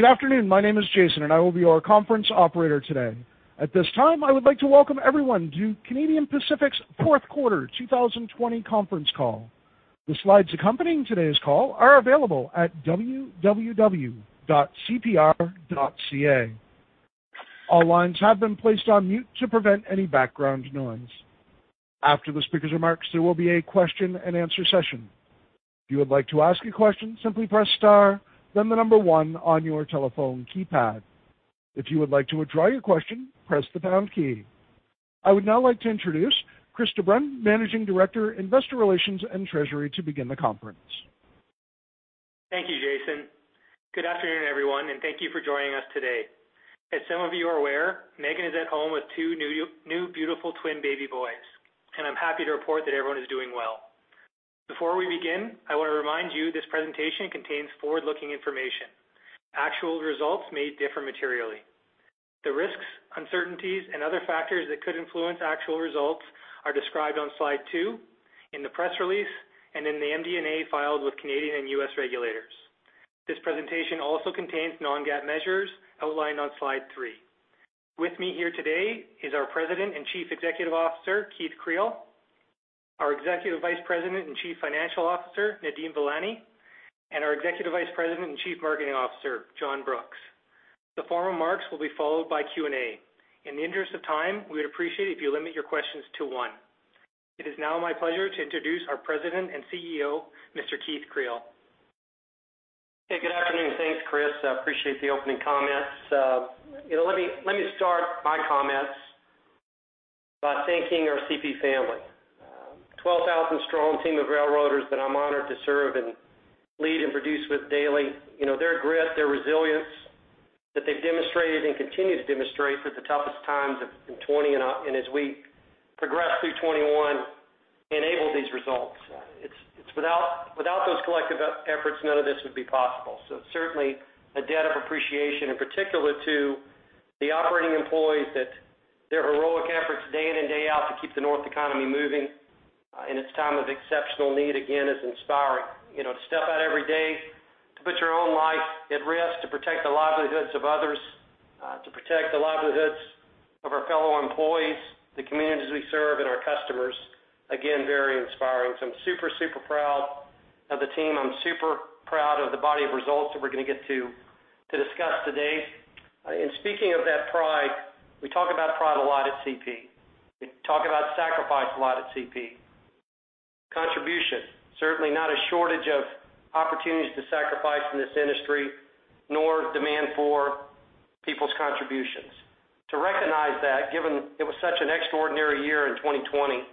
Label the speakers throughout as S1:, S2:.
S1: Good afternoon. My name is Jason, and I will be your conference operator today. At this time, I would like to welcome everyone to Canadian Pacific's Fourth Quarter 2020 Conference Call. The slides accompanying today's call are available at www.cpr.ca. All lines have been placed on mute to prevent any background noise. After the speaker's remarks, there will be a question-and-answer session. If you would like to ask a question, simply press star, then one on your telephone keypad. If you would like to withdraw your question, press the pound key. I would now like to introduce Chris de Bruyn, Managing Director, Investor Relations and Treasury, to begin the conference.
S2: Thank you, Jason. Good afternoon, everyone, and thank you for joining us today. As some of you are aware, Megan is at home with two new beautiful twin baby boys, and I'm happy to report that everyone is doing well. Before we begin, I want to remind you this presentation contains forward-looking information. Actual results may differ materially. The risks, uncertainties, and other factors that could influence actual results are described on slide two, in the press release, and in the MD&A filed with Canadian and U.S. regulators. This presentation also contains non-GAAP measures outlined on slide three. With me here today is our President and Chief Executive Officer, Keith Creel, our Executive Vice President and Chief Financial Officer, Nadeem Velani, and our Executive Vice President and Chief Marketing Officer, John Brooks. The formal remarks will be followed by Q&A. In the interest of time, we would appreciate it if you limit your questions to one. It is now my pleasure to introduce our President and CEO, Mr. Keith Creel.
S3: Hey, good afternoon. Thanks, Chris. I appreciate the opening comments. Let me start my comments by thanking our CP family. 12,000 strong team of railroaders that I'm honored to serve and lead and produce with daily. Their grit, their resilience that they've demonstrated and continue to demonstrate through the toughest times in 2020, and as we progress through 2021, enable these results. Without those collective efforts, none of this would be possible. Certainly, a debt of appreciation, in particular to the operating employees that their heroic efforts day in and day out to keep the North economy moving in its time of exceptional need, again, is inspiring. To step out every day, to put your own life at risk to protect the livelihoods of others, to protect the livelihoods of our fellow employees, the communities we serve, and our customers, again, very inspiring. I'm super proud of the team. I'm super proud of the body of results that we're going to get to discuss today. Speaking of that pride, we talk about pride a lot at CP. We talk about sacrifice a lot at CP. Contribution. Certainly not a shortage of opportunities to sacrifice in this industry, nor demand for people's contributions. To recognize that, given it was such an extraordinary year in 2020,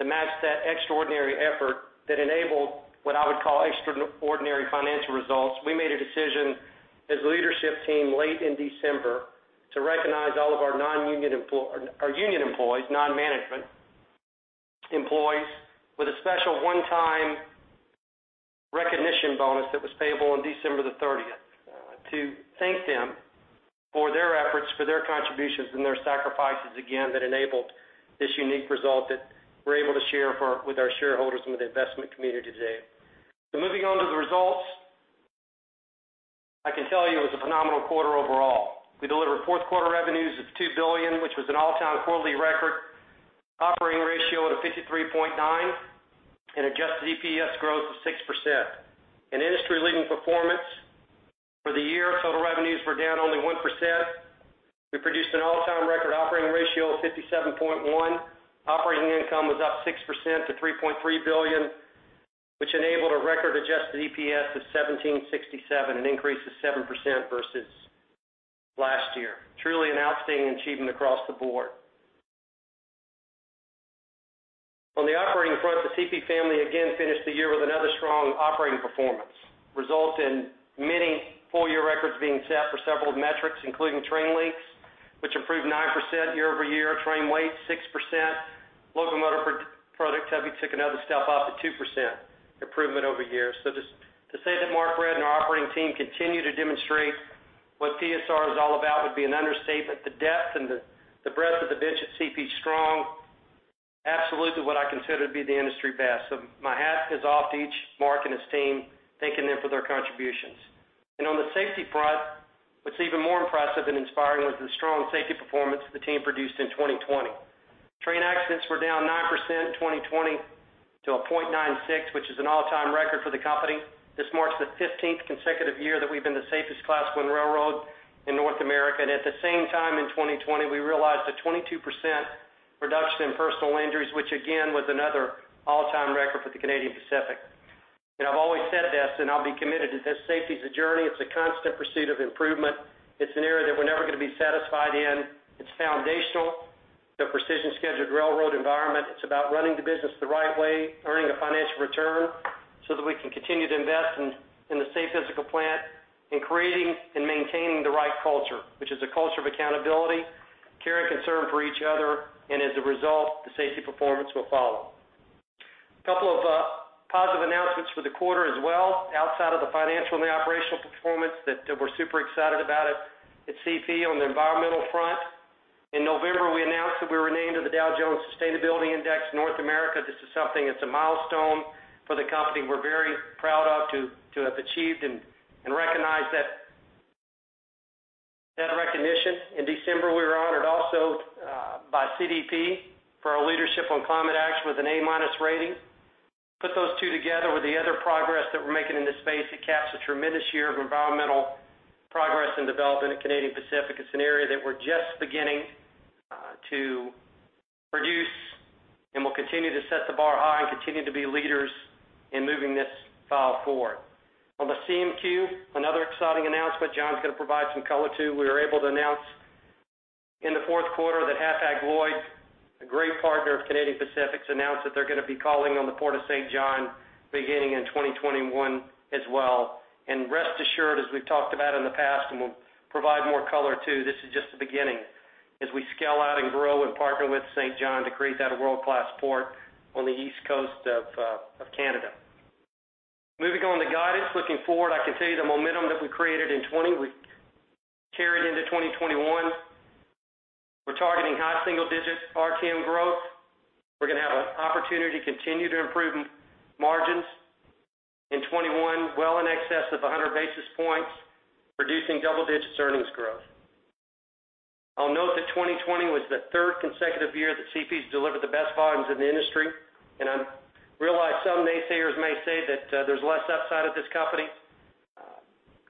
S3: to match that extraordinary effort that enabled what I would call extraordinary financial results, we made a decision as a leadership team late in December to recognize all of our union employees, non-management employees, with a special one-time recognition bonus that was payable on December the 30th to thank them for their efforts, for their contributions, and their sacrifices, again, that enabled this unique result that we're able to share with our shareholders and with the investment community today. Moving on to the results, I can tell you it was a phenomenal quarter overall. We delivered fourth quarter revenues of 2 billion, which was an all-time quarterly record, operating ratio at a 53.9%, and adjusted EPS growth of 6%. An industry-leading performance for the year, total revenues were down only 1%. We produced an all-time record operating ratio of 57.1%. Operating income was up 6% to 3.3 billion, which enabled a record-adjusted EPS of 17.67, an increase of 7% versus last year. Truly an outstanding achievement across the board. On the operating front, the CP family again finished the year with another strong operating performance, resulting in many full-year records being set for several metrics, including train lengths, which improved 9% year-over-year, train weight 6%, locomotive productivity took another step up to 2% improvement year-over-year. To say that Mark Redd and our operating team continue to demonstrate what PSR is all about would be an understatement. The depth and the breadth of the bench at CP is strong, absolutely what I consider to be the industry best. My hat is off to each Mark and his team, thanking them for their contributions. On the safety front, what's even more impressive and inspiring was the strong safety performance the team produced in 2020. Train accidents were down 9% in 2020 to a 0.96, which is an all-time record for the company. This marks the 15th consecutive year that we've been the safest Class I railroad in North America. At the same time in 2020, we realized a 22% reduction in personal injuries, which again, was another all-time record for the Canadian Pacific. I've always said this, and I'll be committed to this, safety is a journey. It's a constant pursuit of improvement. It's an area that we're never going to be satisfied in. It's foundational to a precision scheduled railroad environment. It's about running the business the right way, earning a financial return so that we can continue to invest in the safe physical plant in creating and maintaining the right culture, which is a culture of accountability, care, and concern for each other, and as a result, the safety performance will follow. A couple of positive announcements for the quarter as well, outside of the financial and the operational performance that we're super excited about at CP on the environmental front. In November, we announced that we were named to the Dow Jones Sustainability Index North America. This is something that's a milestone for the company. We're very proud of to have achieved and recognize that recognition. In December, we were honored also by CDP for our leadership on climate action with an A- rating. Put those two together with the other progress that we're making in this space, it caps a tremendous year of environmental progress and development at Canadian Pacific. It's an area that we're just beginning to produce, and we'll continue to set the bar high and continue to be leaders in moving this file forward. On the CMQ, another exciting announcement John's going to provide some color to. We were able to announce in the fourth quarter that Hapag-Lloyd, a great partner of Canadian Pacific's, announced that they're going to be calling on the Port Saint John beginning in 2021 as well. Rest assured, as we've talked about in the past, and we'll provide more color, too, this is just the beginning as we scale out and grow and partner with Saint John to create that world-class port on the East Coast of Canada. Moving on to guidance. Looking forward, I can tell you the momentum that we created in 2020, we carried into 2021. We're targeting high single-digit RTM growth. We're going to have an opportunity to continue to improve margins in 2021 well in excess of 100 basis points, producing double-digit earnings growth. I'll note that 2020 was the third consecutive year that CP's delivered the best volumes in the industry, and I realize some naysayers may say that there's less upside at this company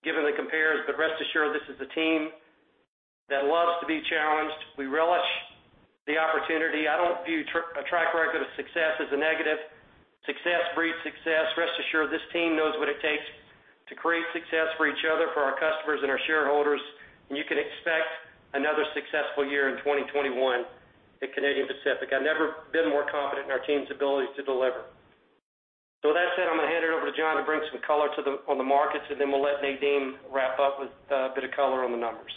S3: given the compares, but rest assured, this is a team that loves to be challenged. We relish the opportunity. I don't view a track record of success as a negative. Success breeds success. Rest assured, this team knows what it takes to create success for each other, for our customers, and our shareholders, and you can expect another successful year in 2021 at Canadian Pacific. I've never been more confident in our team's ability to deliver. With that said, I'm going to hand it over to John to bring some color on the markets, and then we'll let Nadeem wrap up with a bit of color on the numbers.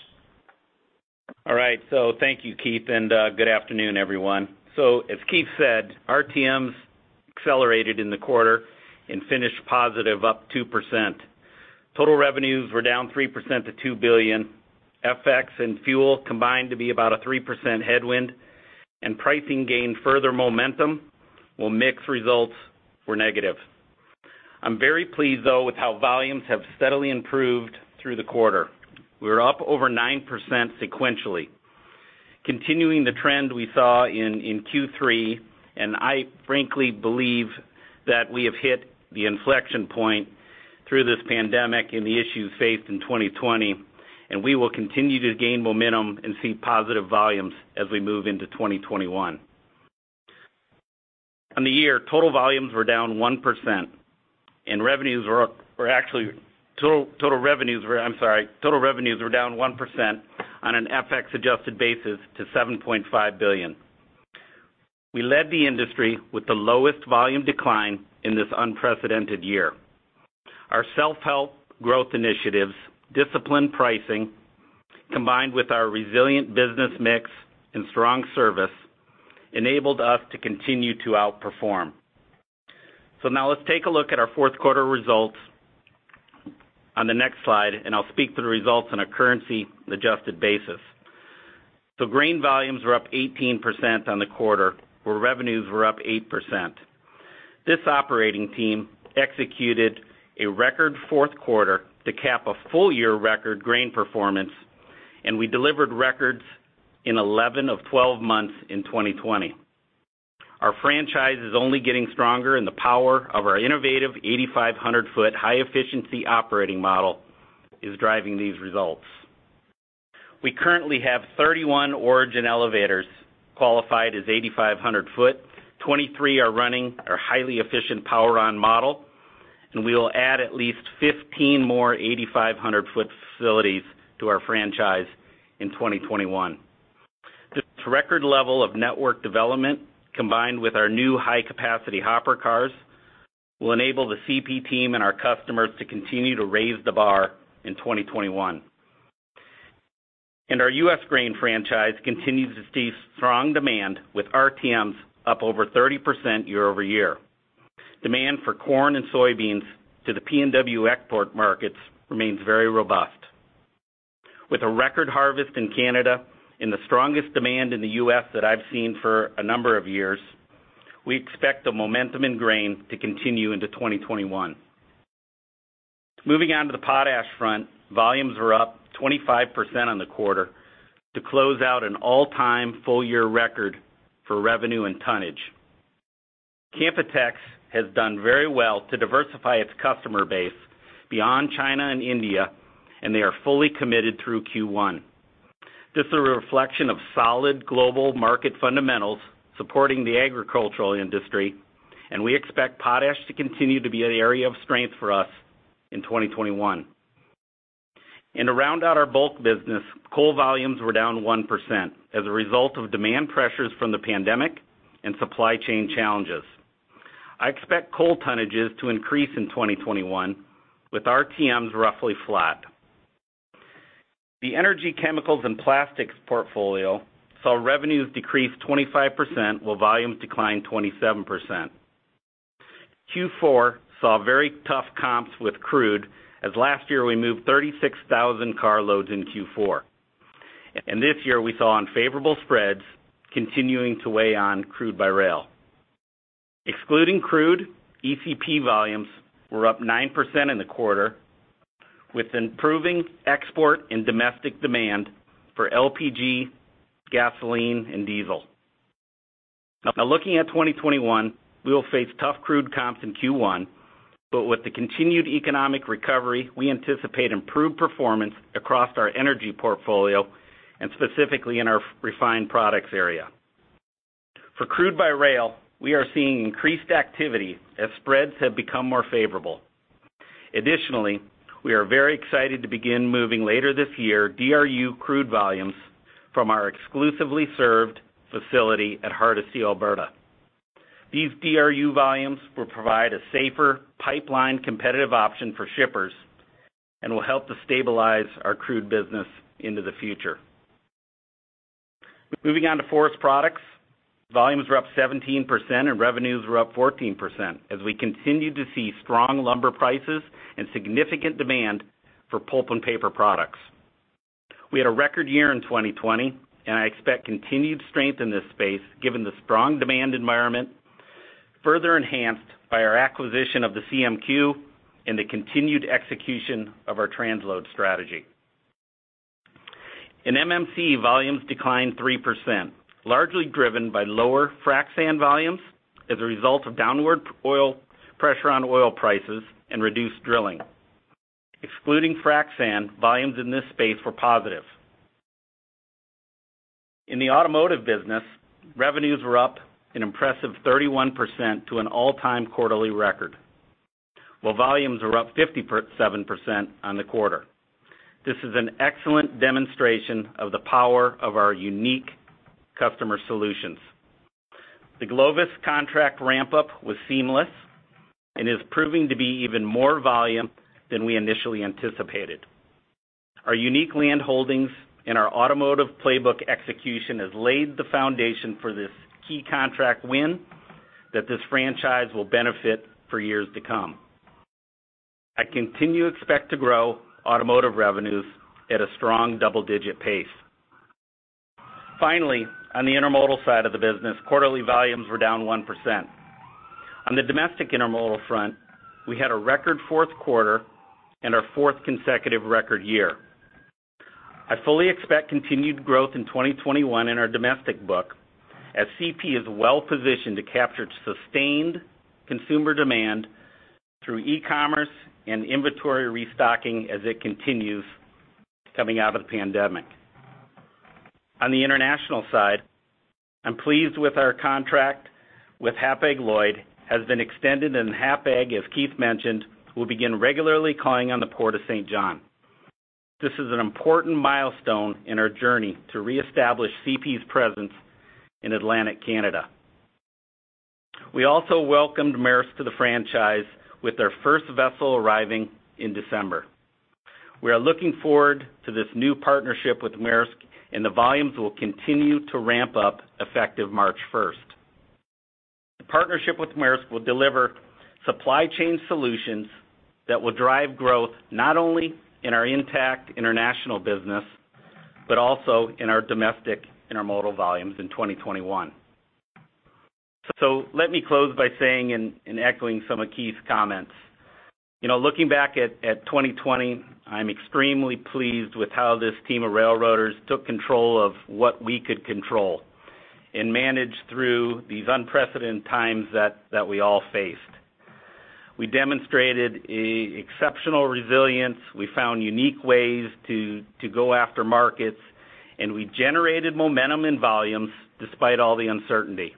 S4: All right. Thank you, Keith, and good afternoon, everyone. As Keith said, RTMs accelerated in the quarter and finished positive, up 2%. Total revenues were down 3% to 2 billion. FX and fuel combined to be about a 3% headwind, and pricing gained further momentum, while mix results were negative. I'm very pleased, though, with how volumes have steadily improved through the quarter. We were up over 9% sequentially. Continuing the trend we saw in Q3, and I frankly believe that we have hit the inflection point through this pandemic and the issues faced in 2020, and we will continue to gain momentum and see positive volumes as we move into 2021. On the year, total volumes were down 1%, and actually, total revenues were, I'm sorry, total revenues were down 1% on an FX-adjusted basis to 7.5 billion. We led the industry with the lowest volume decline in this unprecedented year. Our self-help growth initiatives, disciplined pricing, combined with our resilient business mix and strong service, enabled us to continue to outperform. Now let's take a look at our fourth quarter results on the next slide, and I'll speak to the results on a currency-adjusted basis. Grain volumes were up 18% on the quarter, where revenues were up 8%. This operating team executed a record fourth quarter to cap a full-year record grain performance, and we delivered records in 11 of 12 months in 2020. Our franchise is only getting stronger, and the power of our innovative 8,500-foot high-efficiency operating model is driving these results. We currently have 31 origin elevators qualified as 8,500 ft. 23 are running our highly efficient power-on model. We will add at least 15 more 8,500-foot facilities to our franchise in 2021. This record level of network development, combined with our new high-capacity hopper cars, will enable the CP team and our customers to continue to raise the bar in 2021. Our U.S. grain franchise continues to see strong demand, with RTMs up over 30% year-over-year. Demand for corn and soybeans to the PNW export markets remains very robust. With a record harvest in Canada and the strongest demand in the U.S. that I've seen for a number of years, we expect the momentum in grain to continue into 2021. Moving on to the potash front, volumes were up 25% on the quarter to close out an all-time full-year record for revenue and tonnage. Canpotex has done very well to diversify its customer base beyond China and India, and they are fully committed through Q1. This is a reflection of solid global market fundamentals supporting the agricultural industry, and we expect potash to continue to be an area of strength for us in 2021. To round out our bulk business, coal volumes were down 1% as a result of demand pressures from the pandemic and supply chain challenges. I expect coal tonnages to increase in 2021, with RTMs roughly flat. The energy, chemicals, and plastics portfolio saw revenues decrease 25%, while volumes declined 27%. Q4 saw very tough comps with crude as last year we moved 36,000 carloads in Q4, and this year we saw unfavorable spreads continuing to weigh on crude by rail. Excluding crude, ECP volumes were up 9% in the quarter with improving export and domestic demand for LPG, gasoline, and diesel. Looking at 2021, we will face tough crude comps in Q1, with the continued economic recovery, we anticipate improved performance across our energy portfolio and specifically in our refined products area. For crude by rail, we are seeing increased activity as spreads have become more favorable. We are very excited to begin moving later this year DRU crude volumes from our exclusively served facility at Hardisty, Alberta. These DRU volumes will provide a safer pipeline competitive option for shippers and will help to stabilize our crude business into the future. Moving on to forest products, volumes were up 17% and revenues were up 14% as we continued to see strong lumber prices and significant demand for pulp and paper products. We had a record year in 2020. I expect continued strength in this space given the strong demand environment, further enhanced by our acquisition of the CMQ and the continued execution of our transload strategy. In MMC, volumes declined 3%, largely driven by lower frac sand volumes as a result of downward pressure on oil prices and reduced drilling. Excluding frac sand, volumes in this space were positive. In the automotive business, revenues were up an impressive 31% to an all-time quarterly record, while volumes were up 57% on the quarter. This is an excellent demonstration of the power of our unique customer solutions. The Glovis contract ramp-up was seamless and is proving to be even more volume than we initially anticipated. Our unique land holdings and our automotive playbook execution has laid the foundation for this key contract win that this franchise will benefit for years to come. I continue to expect to grow automotive revenues at a strong double-digit pace. On the intermodal side of the business, quarterly volumes were down 1%. On the domestic intermodal front, we had a record fourth quarter and our fourth consecutive record year. I fully expect continued growth in 2021 in our domestic book as CP is well positioned to capture sustained consumer demand through e-commerce and inventory restocking as it continues coming out of the pandemic. On the international side, I'm pleased with our contract with Hapag-Lloyd, has been extended, and Hapag, as Keith mentioned, will begin regularly calling on the Port Saint John. This is an important milestone in our journey to reestablish CP's presence in Atlantic Canada. We also welcomed Maersk to the franchise with their first vessel arriving in December. We are looking forward to this new partnership with Maersk, and the volumes will continue to ramp up effective March 1st. The partnership with Maersk will deliver supply chain solutions that will drive growth not only in our intact international business, but also in our domestic intermodal volumes in 2021. Let me close by saying and echoing some of Keith's comments. Looking back at 2020, I'm extremely pleased with how this team of railroaders took control of what we could control and managed through these unprecedented times that we all faced. We demonstrated exceptional resilience, we found unique ways to go after markets, and we generated momentum in volumes despite all the uncertainty.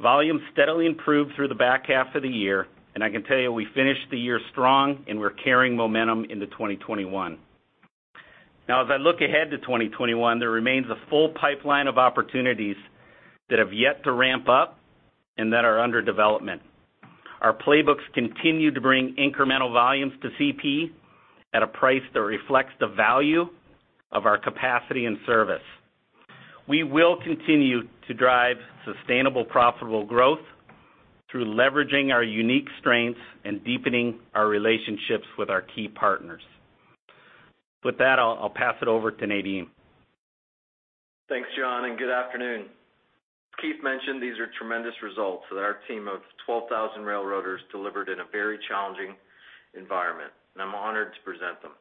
S4: Volumes steadily improved through the back half of the year, and I can tell you we finished the year strong, and we're carrying momentum into 2021. Now as I look ahead to 2021, there remains a full pipeline of opportunities that have yet to ramp up and that are under development. Our playbooks continue to bring incremental volumes to CP at a price that reflects the value of our capacity and service. We will continue to drive sustainable, profitable growth through leveraging our unique strengths and deepening our relationships with our key partners. With that, I'll pass it over to Nadeem.
S5: Thanks, John, and good afternoon. Keith mentioned these are tremendous results that our team of 12,000 railroaders delivered in a very challenging environment, and I am honored to present them.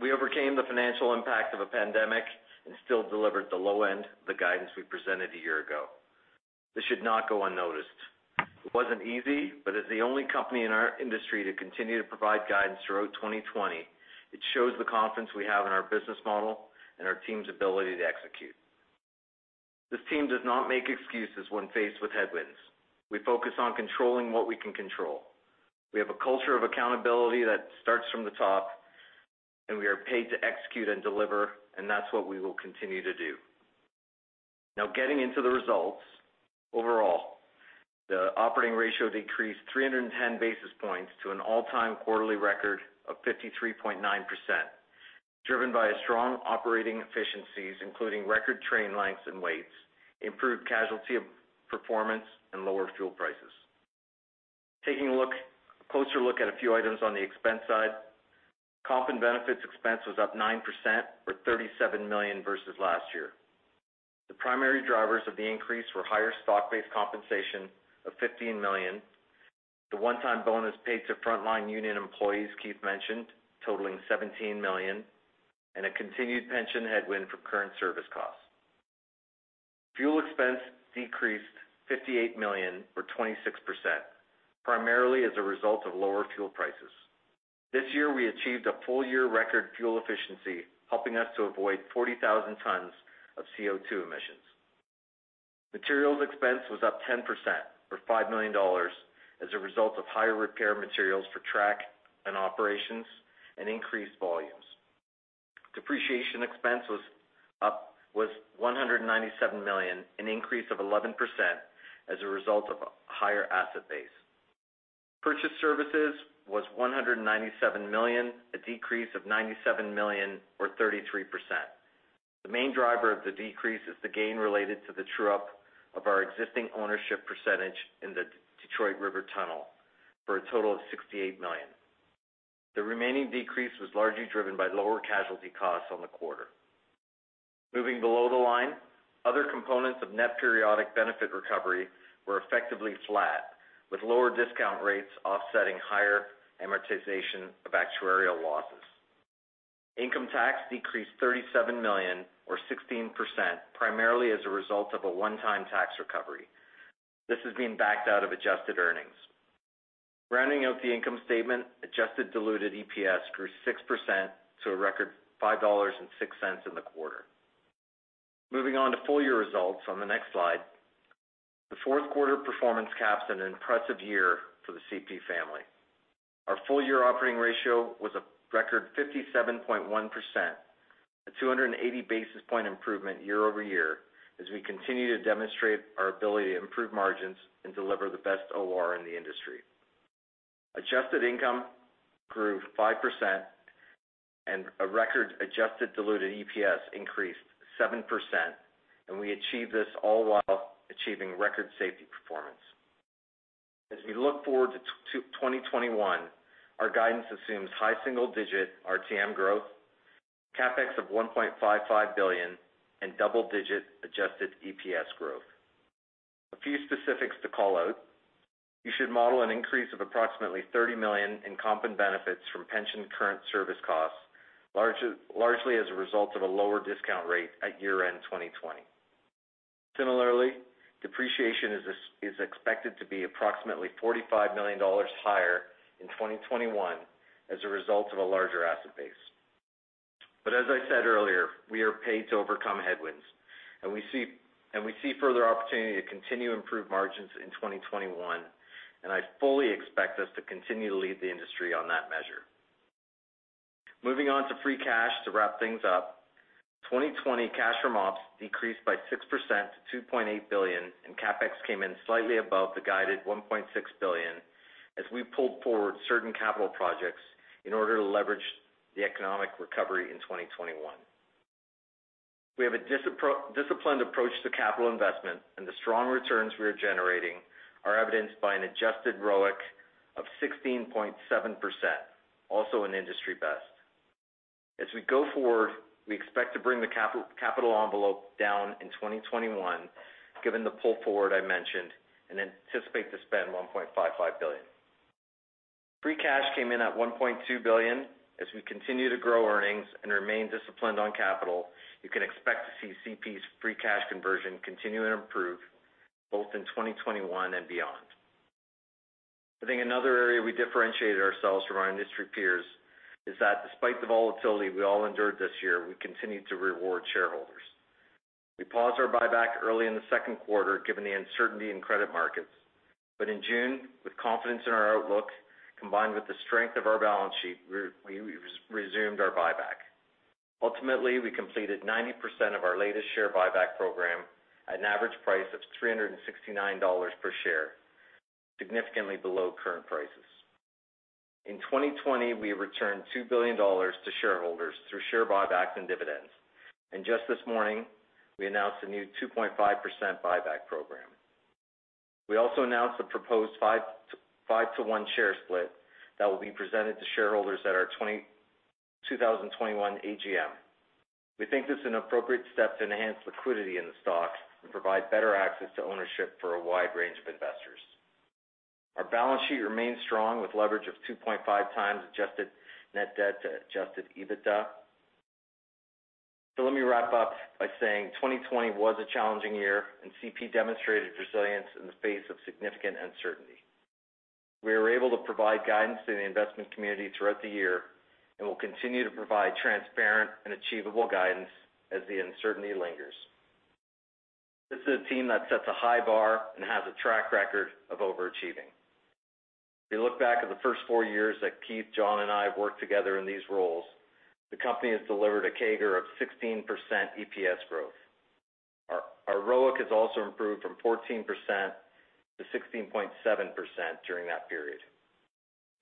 S5: We overcame the financial impact of a pandemic and still delivered the low end of the guidance we presented a year ago. This should not go unnoticed. It wasn't easy, but as the only company in our industry to continue to provide guidance throughout 2020, it shows the confidence we have in our business model and our team's ability to execute. This team does not make excuses when faced with headwinds. We focus on controlling what we can control. We have a culture of accountability that starts from the top, and we are paid to execute and deliver, and that's what we will continue to do. Now getting into the results. Overall, the operating ratio decreased 310 basis points to an all-time quarterly record of 53.9%. Driven by strong operating efficiencies, including record train lengths and weights, improved casualty performance, and lower fuel prices. Taking a closer look at a few items on the expense side. Comp and benefits expense was up 9%, or 37 million versus last year. The primary drivers of the increase were higher stock-based compensation of 15 million, the one-time bonus paid to frontline union employees Keith mentioned, totaling 17 million, and a continued pension headwind for current service costs. Fuel expense decreased 58 million or 26%, primarily as a result of lower fuel prices. This year, we achieved a full-year record fuel efficiency, helping us to avoid 40,000 tons of CO2 emissions. Materials expense was up 10%, or 5 million dollars, as a result of higher repair materials for track and operations and increased volumes. Depreciation expense was up, with 197 million, an increase of 11% as a result of a higher asset base. Purchased services was 197 million, a decrease of 97 million, or 33%. The main driver of the decrease is the gain related to the true-up of our existing ownership percentage in the Detroit River tunnel for a total of 68 million. The remaining decrease was largely driven by lower casualty costs on the quarter. Moving below the line, other components of net periodic benefit recovery were effectively flat, with lower discount rates offsetting higher amortization of actuarial losses. Income tax decreased 37 million or 16%, primarily as a result of a one-time tax recovery. This is being backed out of adjusted earnings. Rounding out the income statement, adjusted diluted EPS grew 6% to a record 5.06 dollars in the quarter. Moving on to full-year results on the next slide. The fourth quarter performance caps an impressive year for the CP family. Our full-year operating ratio was a record 57.1%, a 280 basis point improvement year-over-year, as we continue to demonstrate our ability to improve margins and deliver the best OR in the industry. Adjusted income grew 5% and a record adjusted diluted EPS increased 7%, and we achieved this all while achieving record safety performance. As we look forward to 2021, our guidance assumes high single-digit RTM growth, CapEx of 1.55 billion, and double-digit adjusted EPS growth. A few specifics to call out. You should model an increase of approximately 30 million in comp and benefits from pension current service costs, largely as a result of a lower discount rate at year-end 2020. Similarly, depreciation is expected to be approximately 45 million dollars higher in 2021 as a result of a larger asset base. As I said earlier, we are paid to overcome headwinds, and we see further opportunity to continue to improve margins in 2021, and I fully expect us to continue to lead the industry on that measure. Moving on to free cash to wrap things up. 2020 cash from ops decreased by 6% to 2.8 billion, and CapEx came in slightly above the guided 1.6 billion as we pulled forward certain capital projects in order to leverage the economic recovery in 2021. We have a disciplined approach to capital investment, and the strong returns we are generating are evidenced by an adjusted ROIC of 16.7%, also an industry best. As we go forward, we expect to bring the capital envelope down in 2021 given the pull forward I mentioned, and anticipate to spend 1.55 billion. Free cash came in at 1.2 billion. As we continue to grow earnings and remain disciplined on capital, you can expect to see CP's free cash conversion continue to improve both in 2021 and beyond. I think another area we differentiated ourselves from our industry peers is that despite the volatility we all endured this year, we continued to reward shareholders. We paused our buyback early in the second quarter given the uncertainty in credit markets. In June, with confidence in our outlook, combined with the strength of our balance sheet, we resumed our buyback. Ultimately, we completed 90% of our latest share buyback program at an average price of 369 dollars per share, significantly below current prices. In 2020, we returned 2 billion dollars to shareholders through share buybacks and dividends. Just this morning, we announced a new 2.5% buyback program. We also announced a proposed five to one share split that will be presented to shareholders at our 2021 AGM. We think this is an appropriate step to enhance liquidity in the stock and provide better access to ownership for a wide range of investors. Our balance sheet remains strong with leverage of 2.5x adjusted net debt to adjusted EBITDA. Let me wrap up by saying 2020 was a challenging year, and CP demonstrated resilience in the face of significant uncertainty. We were able to provide guidance to the investment community throughout the year and will continue to provide transparent and achievable guidance as the uncertainty lingers. This is a team that sets a high bar and has a track record of overachieving. If you look back at the first four years that Keith, John, and I have worked together in these roles, the company has delivered a CAGR of 16% EPS growth. Our ROIC has also improved from 14% to 16.7% during that period.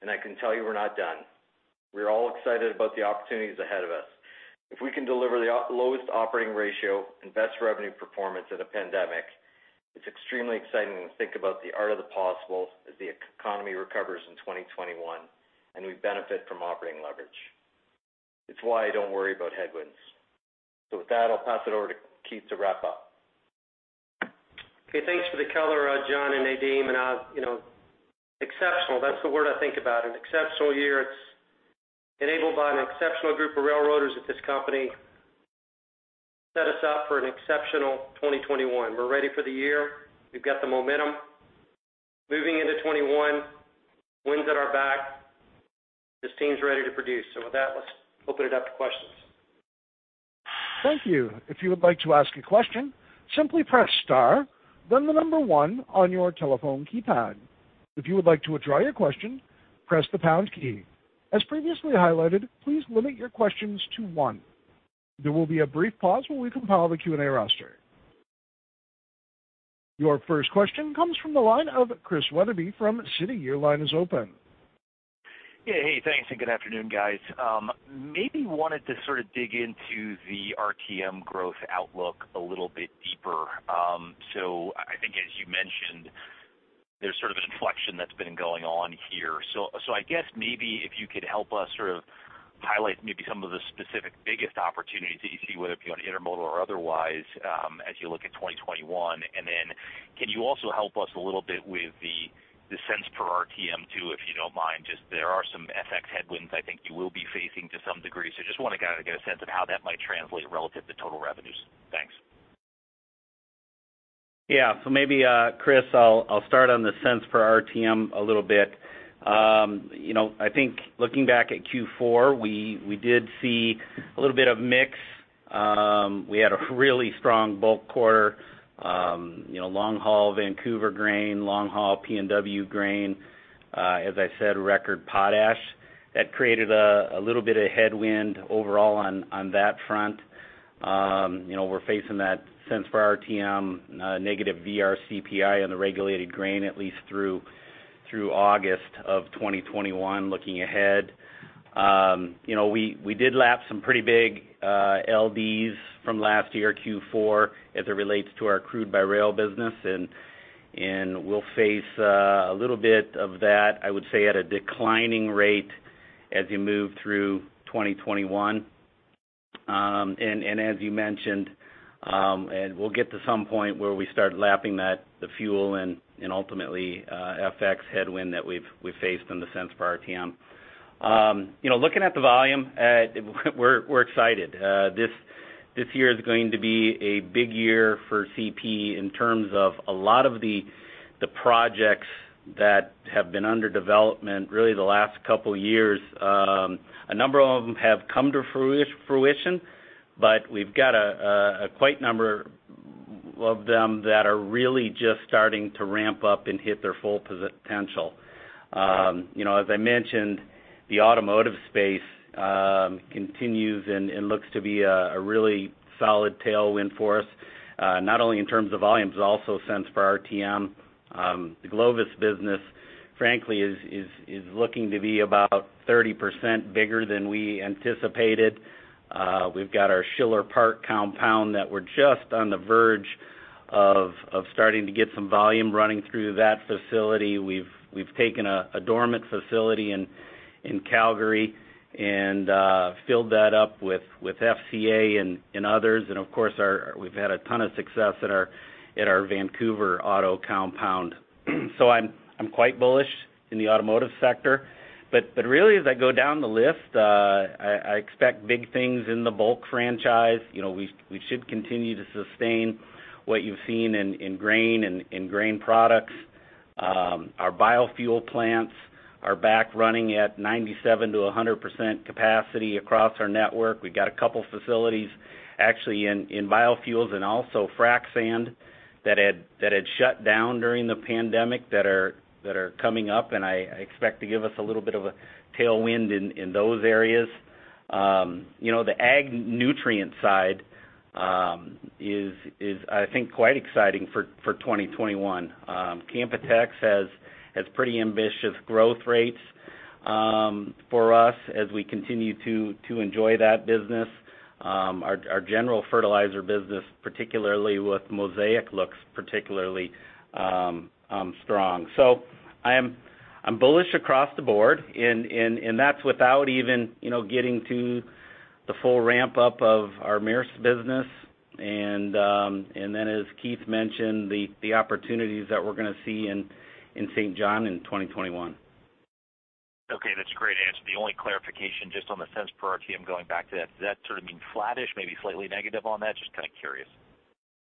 S5: I can tell you we're not done. We're all excited about the opportunities ahead of us. If we can deliver the lowest operating ratio and best revenue performance in a pandemic, it's extremely exciting when you think about the art of the possible as the economy recovers in 2021, and we benefit from operating leverage. It's why I don't worry about headwinds. With that, I'll pass it over to Keith to wrap-up.
S3: Okay. Thanks for the color, John and Nadeem. Exceptional, that's the word I think about. An exceptional year. It's enabled by an exceptional group of railroaders at this company, set us up for an exceptional 2021. We're ready for the year. We've got the momentum. Moving into 2021, wind's at our back. This team's ready to produce. With that, let's open it up to questions.
S1: Thank you. If you would like to ask a question, simply press star, then the number one on your telephone keypad. If you would like to withdraw your question, press the pound key. As previously highlighted, please limit your questions to one. There will be a brief pause while we compile the Q&A roster. Your first question comes from the line of Chris Wetherbee from Citi. Your line is open.
S6: Yeah. Hey, thanks, good afternoon, guys. Maybe wanted to sort of dig into the RTM growth outlook a little bit deeper. I think as you mentioned, there's sort of an inflection that's been going on here. I guess maybe if you could help us sort of highlight maybe some of the specific biggest opportunities that you see, whether it be on intermodal or otherwise, as you look at 2021. Can you also help us a little bit with the CAD 0.01 per RTM too, if you don't mind, just there are some FX headwinds I think you will be facing to some degree. I just want to kind of get a sense of how that might translate relative to total revenues. Thanks.
S4: Yeah. Maybe, Chris, I'll start on the cents per RTM a little bit. I think looking back at Q4, we did see a little bit of mix. We had a really strong bulk quarter. Long-haul Vancouver grain, long-haul PNW grain. As I said, record potash. That created a little bit of headwind overall on that front. We're facing that cents per RTM negative VRCPI on the regulated grain, at least through August of 2021, looking ahead. We did lap some pretty big LDs from last year, Q4, as it relates to our crude by rail business, and we'll face a little bit of that, I would say, at a declining rate as you move through 2021. As you mentioned, we'll get to some point where we start lapping the fuel and ultimately FX headwind that we've faced in the cents per RTM. Looking at the volume, we're excited. This year is going to be a big year for CP in terms of a lot of the projects that have been under development, really the last couple years. A number of them have come to fruition, but we've got a quite number of them that are really just starting to ramp up and hit their full potential. As I mentioned, the automotive space continues and looks to be a really solid tailwind for us, not only in terms of volumes, but also cents per RTM. The Glovis business, frankly, is looking to be about 30% bigger than we anticipated. We've got our Schiller Park compound that we're just on the verge of starting to get some volume running through that facility. We've taken a dormant facility in Calgary and filled that up with FCA and others. Of course, we've had a ton of success at our Vancouver auto compound. I'm quite bullish in the automotive sector, but really, as I go down the list, I expect big things in the bulk franchise. We should continue to sustain what you've seen in grain and grain products. Our biofuel plants are back running at 97%-100% capacity across our network. We got a couple facilities actually in biofuels and also frac sand that had shut down during the pandemic that are coming up, and I expect to give us a little bit of a tailwind in those areas. The Ag nutrient side is, I think, quite exciting for 2021. Canpotex has pretty ambitious growth rates for us as we continue to enjoy that business. Our general fertilizer business, particularly with Mosaic, looks particularly strong. I'm bullish across the board, and that's without even getting to the full ramp-up of our Maersk business. As Keith mentioned, the opportunities that we're going to see in Saint John in 2021.
S6: Okay. That's a great answer. The only clarification, just on the cents per RTM, going back to that. Does that sort of mean flattish, maybe slightly negative on that? Just kind of curious.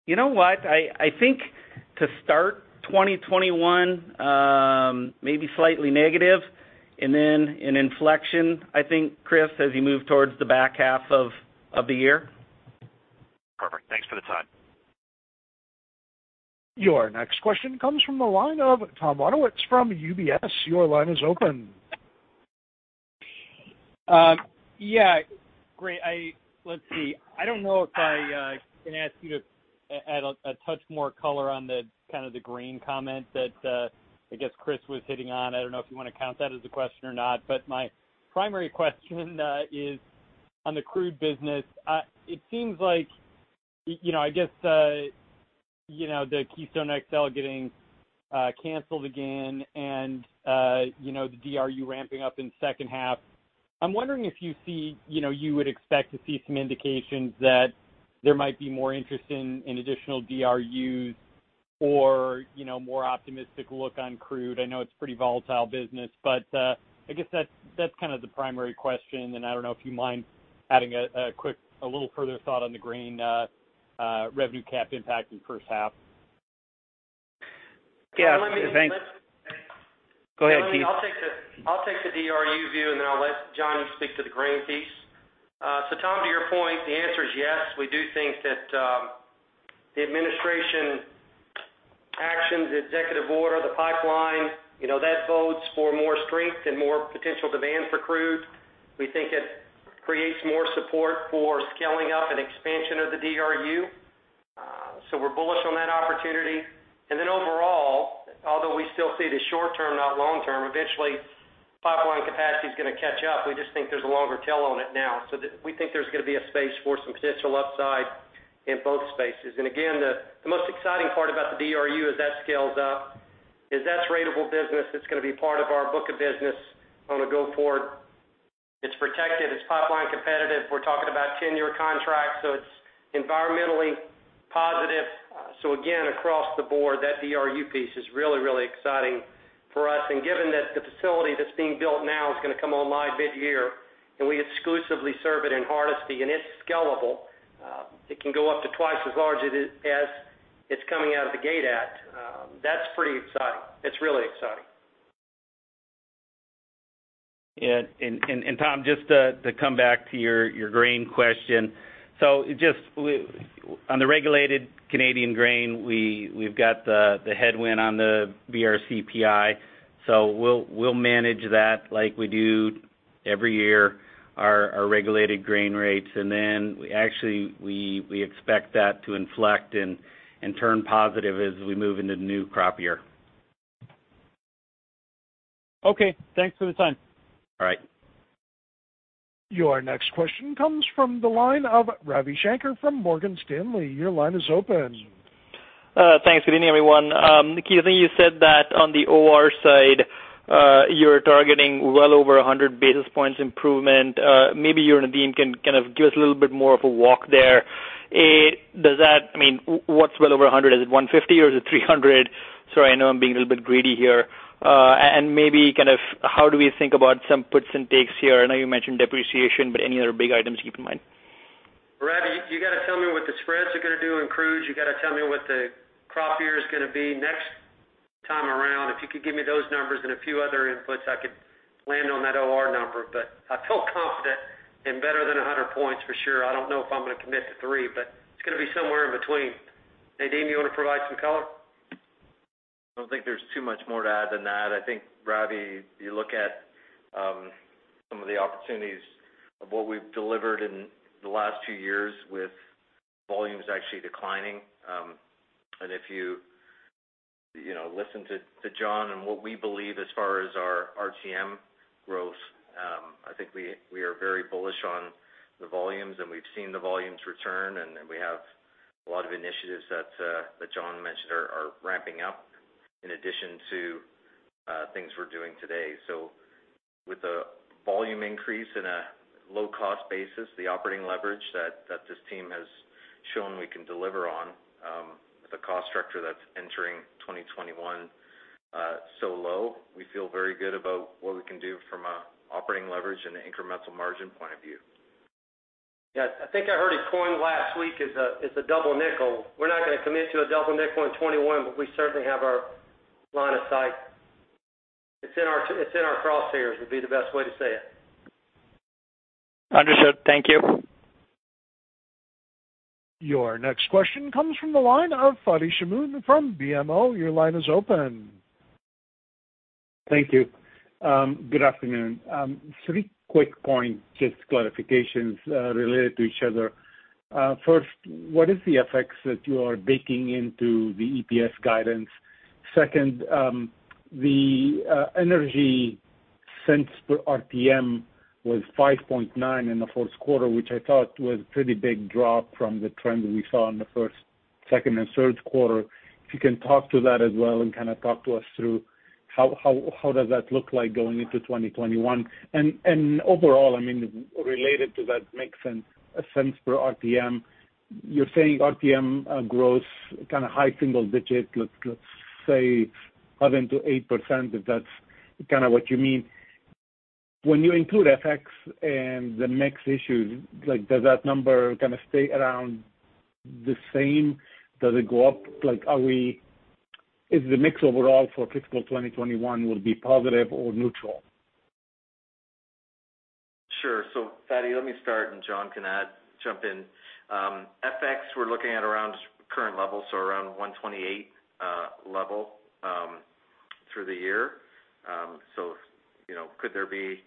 S4: You know what? I think to start 2021, maybe slightly negative. Then an inflection, I think, Chris, as you move towards the back half of the year.
S6: Perfect. Thanks for the time.
S1: Your next question comes from the line of Tom Wadewitz from UBS. Your line is open.
S7: Yeah. Great. Let's see. I don't know if I can ask you to add a touch more color on the grain comment that I guess Chris was hitting on. I don't know if you want to count that as a question or not, but my primary question is on the crude business. It seems like, I guess, the Keystone XL getting canceled again and the DRU ramping up in second half. I'm wondering if you would expect to see some indications that there might be more interest in additional DRUs or more optimistic look on crude. I know it's pretty volatile business, but I guess that's the primary question, and I don't know if you mind adding a little further thought on the grain revenue cap impact in first half.
S5: Yeah.
S3: Let me
S5: Thanks. Go ahead, Keith.
S3: I'll take the DRU view, and then I'll let John speak to the grain piece. Tom, to your point, the answer is yes. We do think that the administration actions, the executive order, the pipeline, that bodes for more strength and more potential demand for crude. We think it creates more support for scaling up and expansion of the DRU. We're bullish on that opportunity. Overall, although we still see it as short term, not long term, eventually pipeline capacity's going to catch up. We just think there's a longer tail on it now. We think there's going to be a space for some potential upside in both spaces. Again, the most exciting part about the DRU as that scales up is that's ratable business that's going to be part of our book of business on a go-forward. It's protected, it's pipeline competitive. We're talking about 10 year contracts, so it's environmentally positive. Again, across the board, that DRU piece is really, really exciting for us. Given that the facility that's being built now is going to come online mid-year, and we exclusively serve it in Hardisty, and it's scalable. It can go up to twice as large as it's coming out of the gate at. That's pretty exciting. It's really exciting.
S5: Yeah. Tom, just to come back to your grain question. Just on the regulated Canadian grain, we've got the headwind on the VRCPI, we'll manage that like we do every year, our regulated grain rates. Actually, we expect that to inflect and turn positive as we move into the new crop year.
S7: Okay, thanks for the time.
S5: All right.
S1: Your next question comes from the line of Ravi Shanker from Morgan Stanley. Your line is open.
S8: Thanks. Good evening, everyone. Keith, I think you said that on the OR side, you're targeting well over 100 basis points improvement. Maybe you and Nadeem can kind of give us a little bit more of a walk there. What's well over 100? Is it 150 or is it 300? Sorry, I know I'm being a little bit greedy here. Maybe kind of how do we think about some puts and takes here? I know you mentioned depreciation, but any other big items to keep in mind?
S3: Ravi, you got to tell me what the spreads are going to do in crude. You got to tell me what the crop year is going to be next time around. If you could give me those numbers and a few other inputs, I could land on that OR number. I feel confident in better than 100 points for sure. I don't know if I'm going to commit to three, it's going to be somewhere in between. Nadeem, you want to provide some color?
S5: I don't think there's too much more to add than that. I think, Ravi, you look at some of the opportunities of what we've delivered in the last two years with volumes actually declining. If you listen to John on what we believe as far as our RTM growth, I think we are very bullish on the volumes, and we've seen the volumes return, and we have a lot of initiatives that John mentioned are ramping up in addition to things we're doing today. With a volume increase in a low-cost basis, the operating leverage that this team has shown we can deliver on with a cost structure that's entering 2021 so low, we feel very good about what we can do from an operating leverage and incremental margin point of view.
S3: Yeah. I think I heard it coined last week as a double nickel. We're not going to commit to a double nickel in 2021. We certainly have our line of sight. It's in our crosshairs, would be the best way to say it.
S8: Understood. Thank you.
S1: Your next question comes from the line of Fadi Chamoun from BMO. Your line is open.
S9: Thank you. Good afternoon. Three quick points, just clarifications related to each other. First, what is the FX that you are baking into the EPS guidance? Second, the energy CAD 0.059 per RTM in the fourth quarter, which I thought was a pretty big drop from the trend we saw in the first, second, and third quarter. If you can talk to that as well and kind of talk to us through how does that look like going into 2021? Overall, related to that mix cents per RTM, you're saying RTM growth kind of high single digit, let's say 7%-8%, if that's kind of what you mean. When you include FX and the mix issues, does that number kind of stay around the same? Does it go up? Is the mix overall for fiscal 2021 will be positive or neutral?
S5: Sure. Fadi, let me start, and John can jump in. FX, we're looking at around current level, so around 1.28 level. Through the year. Could there be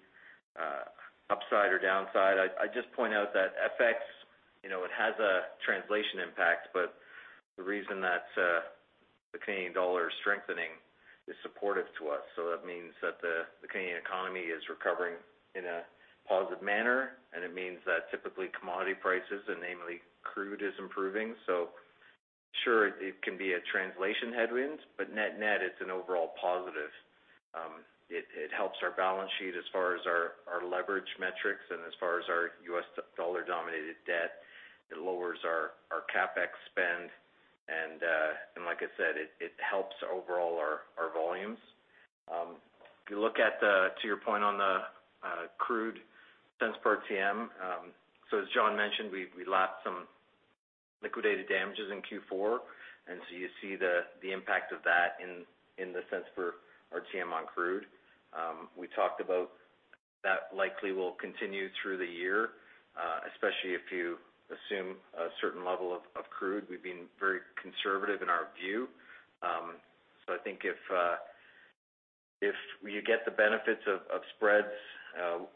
S5: upside or downside? I just point out that FX, it has a translation impact, but the reason that the Canadian dollar is strengthening is supportive to us. That means that the Canadian economy is recovering in a positive manner, and it means that typically commodity prices, and namely crude, is improving. Sure, it can be a translation headwind, but net-net, it's an overall positive. It helps our balance sheet as far as our leverage metrics and as far as our US dollar-dominated debt. It lowers our CapEx spend, and like I said, it helps overall our volumes. If you look at to your point on the crude cents per TM, as John mentioned, we lapped some liquidated damages in Q4, you see the impact of that in the cents per TM on crude. We talked about that likely will continue through the year, especially if you assume a certain level of crude. We've been very conservative in our view. I think if you get the benefits of spreads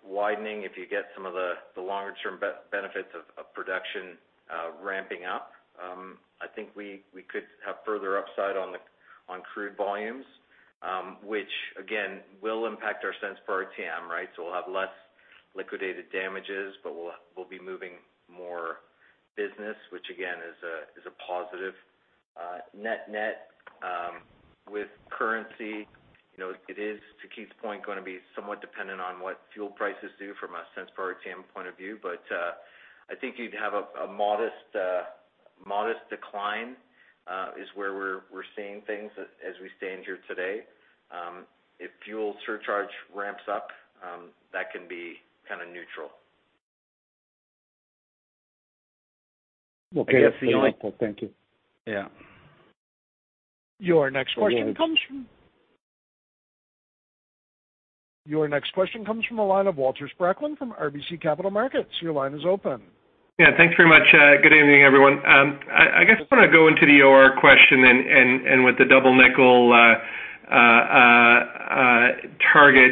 S5: widening, if you get some of the longer-term benefits of production ramping up, I think we could have further upside on crude volumes. Which again, will impact our cents per TM, right? We'll have less liquidated damages, but we'll be moving more business, which again, is a positive. Net-net with currency, it is, to Keith's point, going to be somewhat dependent on what fuel prices do from a cents per TM point of view. I think you'd have a modest decline is where we're seeing things as we stand here today. If fuel surcharge ramps up, that can be kind of neutral.
S9: Okay. Very helpful. Thank you.
S5: Yeah.
S1: Your next question comes from the line of Walter Spracklin from RBC Capital Markets. Your line is open.
S10: Thanks very much. Good evening, everyone. I guess I want to go into the OR question and with the double nickel target.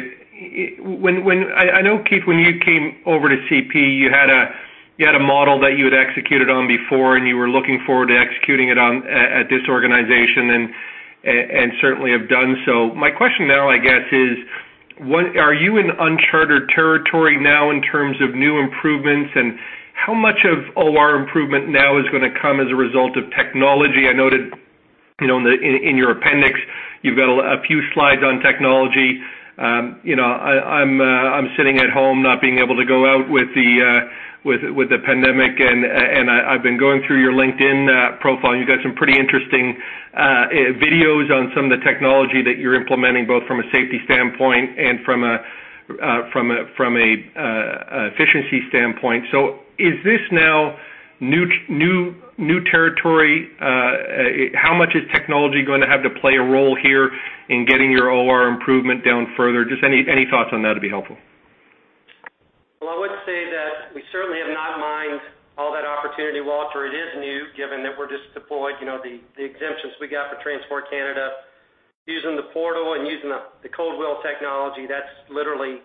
S10: I know, Keith, when you came over to CP, you had a model that you had executed on before, you were looking forward to executing it on at this organization, certainly have done so. My question now, I guess is, are you in uncharted territory now in terms of new improvements, how much of OR improvement now is going to come as a result of technology? I noted in your appendix, you've got a few slides on technology. I'm sitting at home not being able to go out with the pandemic, I've been going through your LinkedIn profile. You've got some pretty interesting videos on some of the technology that you're implementing, both from a safety standpoint from a efficiency standpoint. Is this now new territory? How much is technology going to have to play a role here in getting your OR improvement down further? Just any thoughts on that would be helpful.
S3: I would say that we certainly have not mined all that opportunity, Walter. It is new given that we're just deployed the exemptions we got for Transport Canada using the portal and using the cold wheel technology, that's literally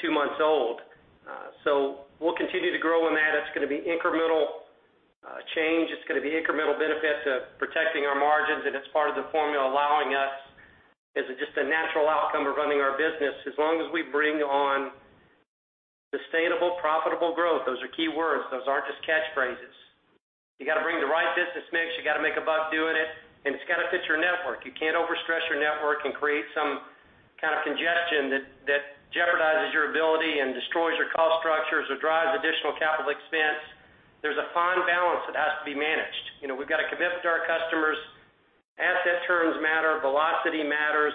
S3: two months old. We'll continue to grow in that. It's going to be incremental change. It's going to be incremental benefits of protecting our margins, and it's part of the formula allowing us as just a natural outcome of running our business as long as we bring on sustainable, profitable growth. Those are key words. Those aren't just catchphrases. You got to bring the right business mix. You got to make a buck doing it, and it's got to fit your network. You can't overstress your network and create some kind of congestion that jeopardizes your ability and destroys your cost structures or drives additional CapEx. There's a fine balance that has to be managed. We've got a commitment to our customers asset turns matter, velocity matters,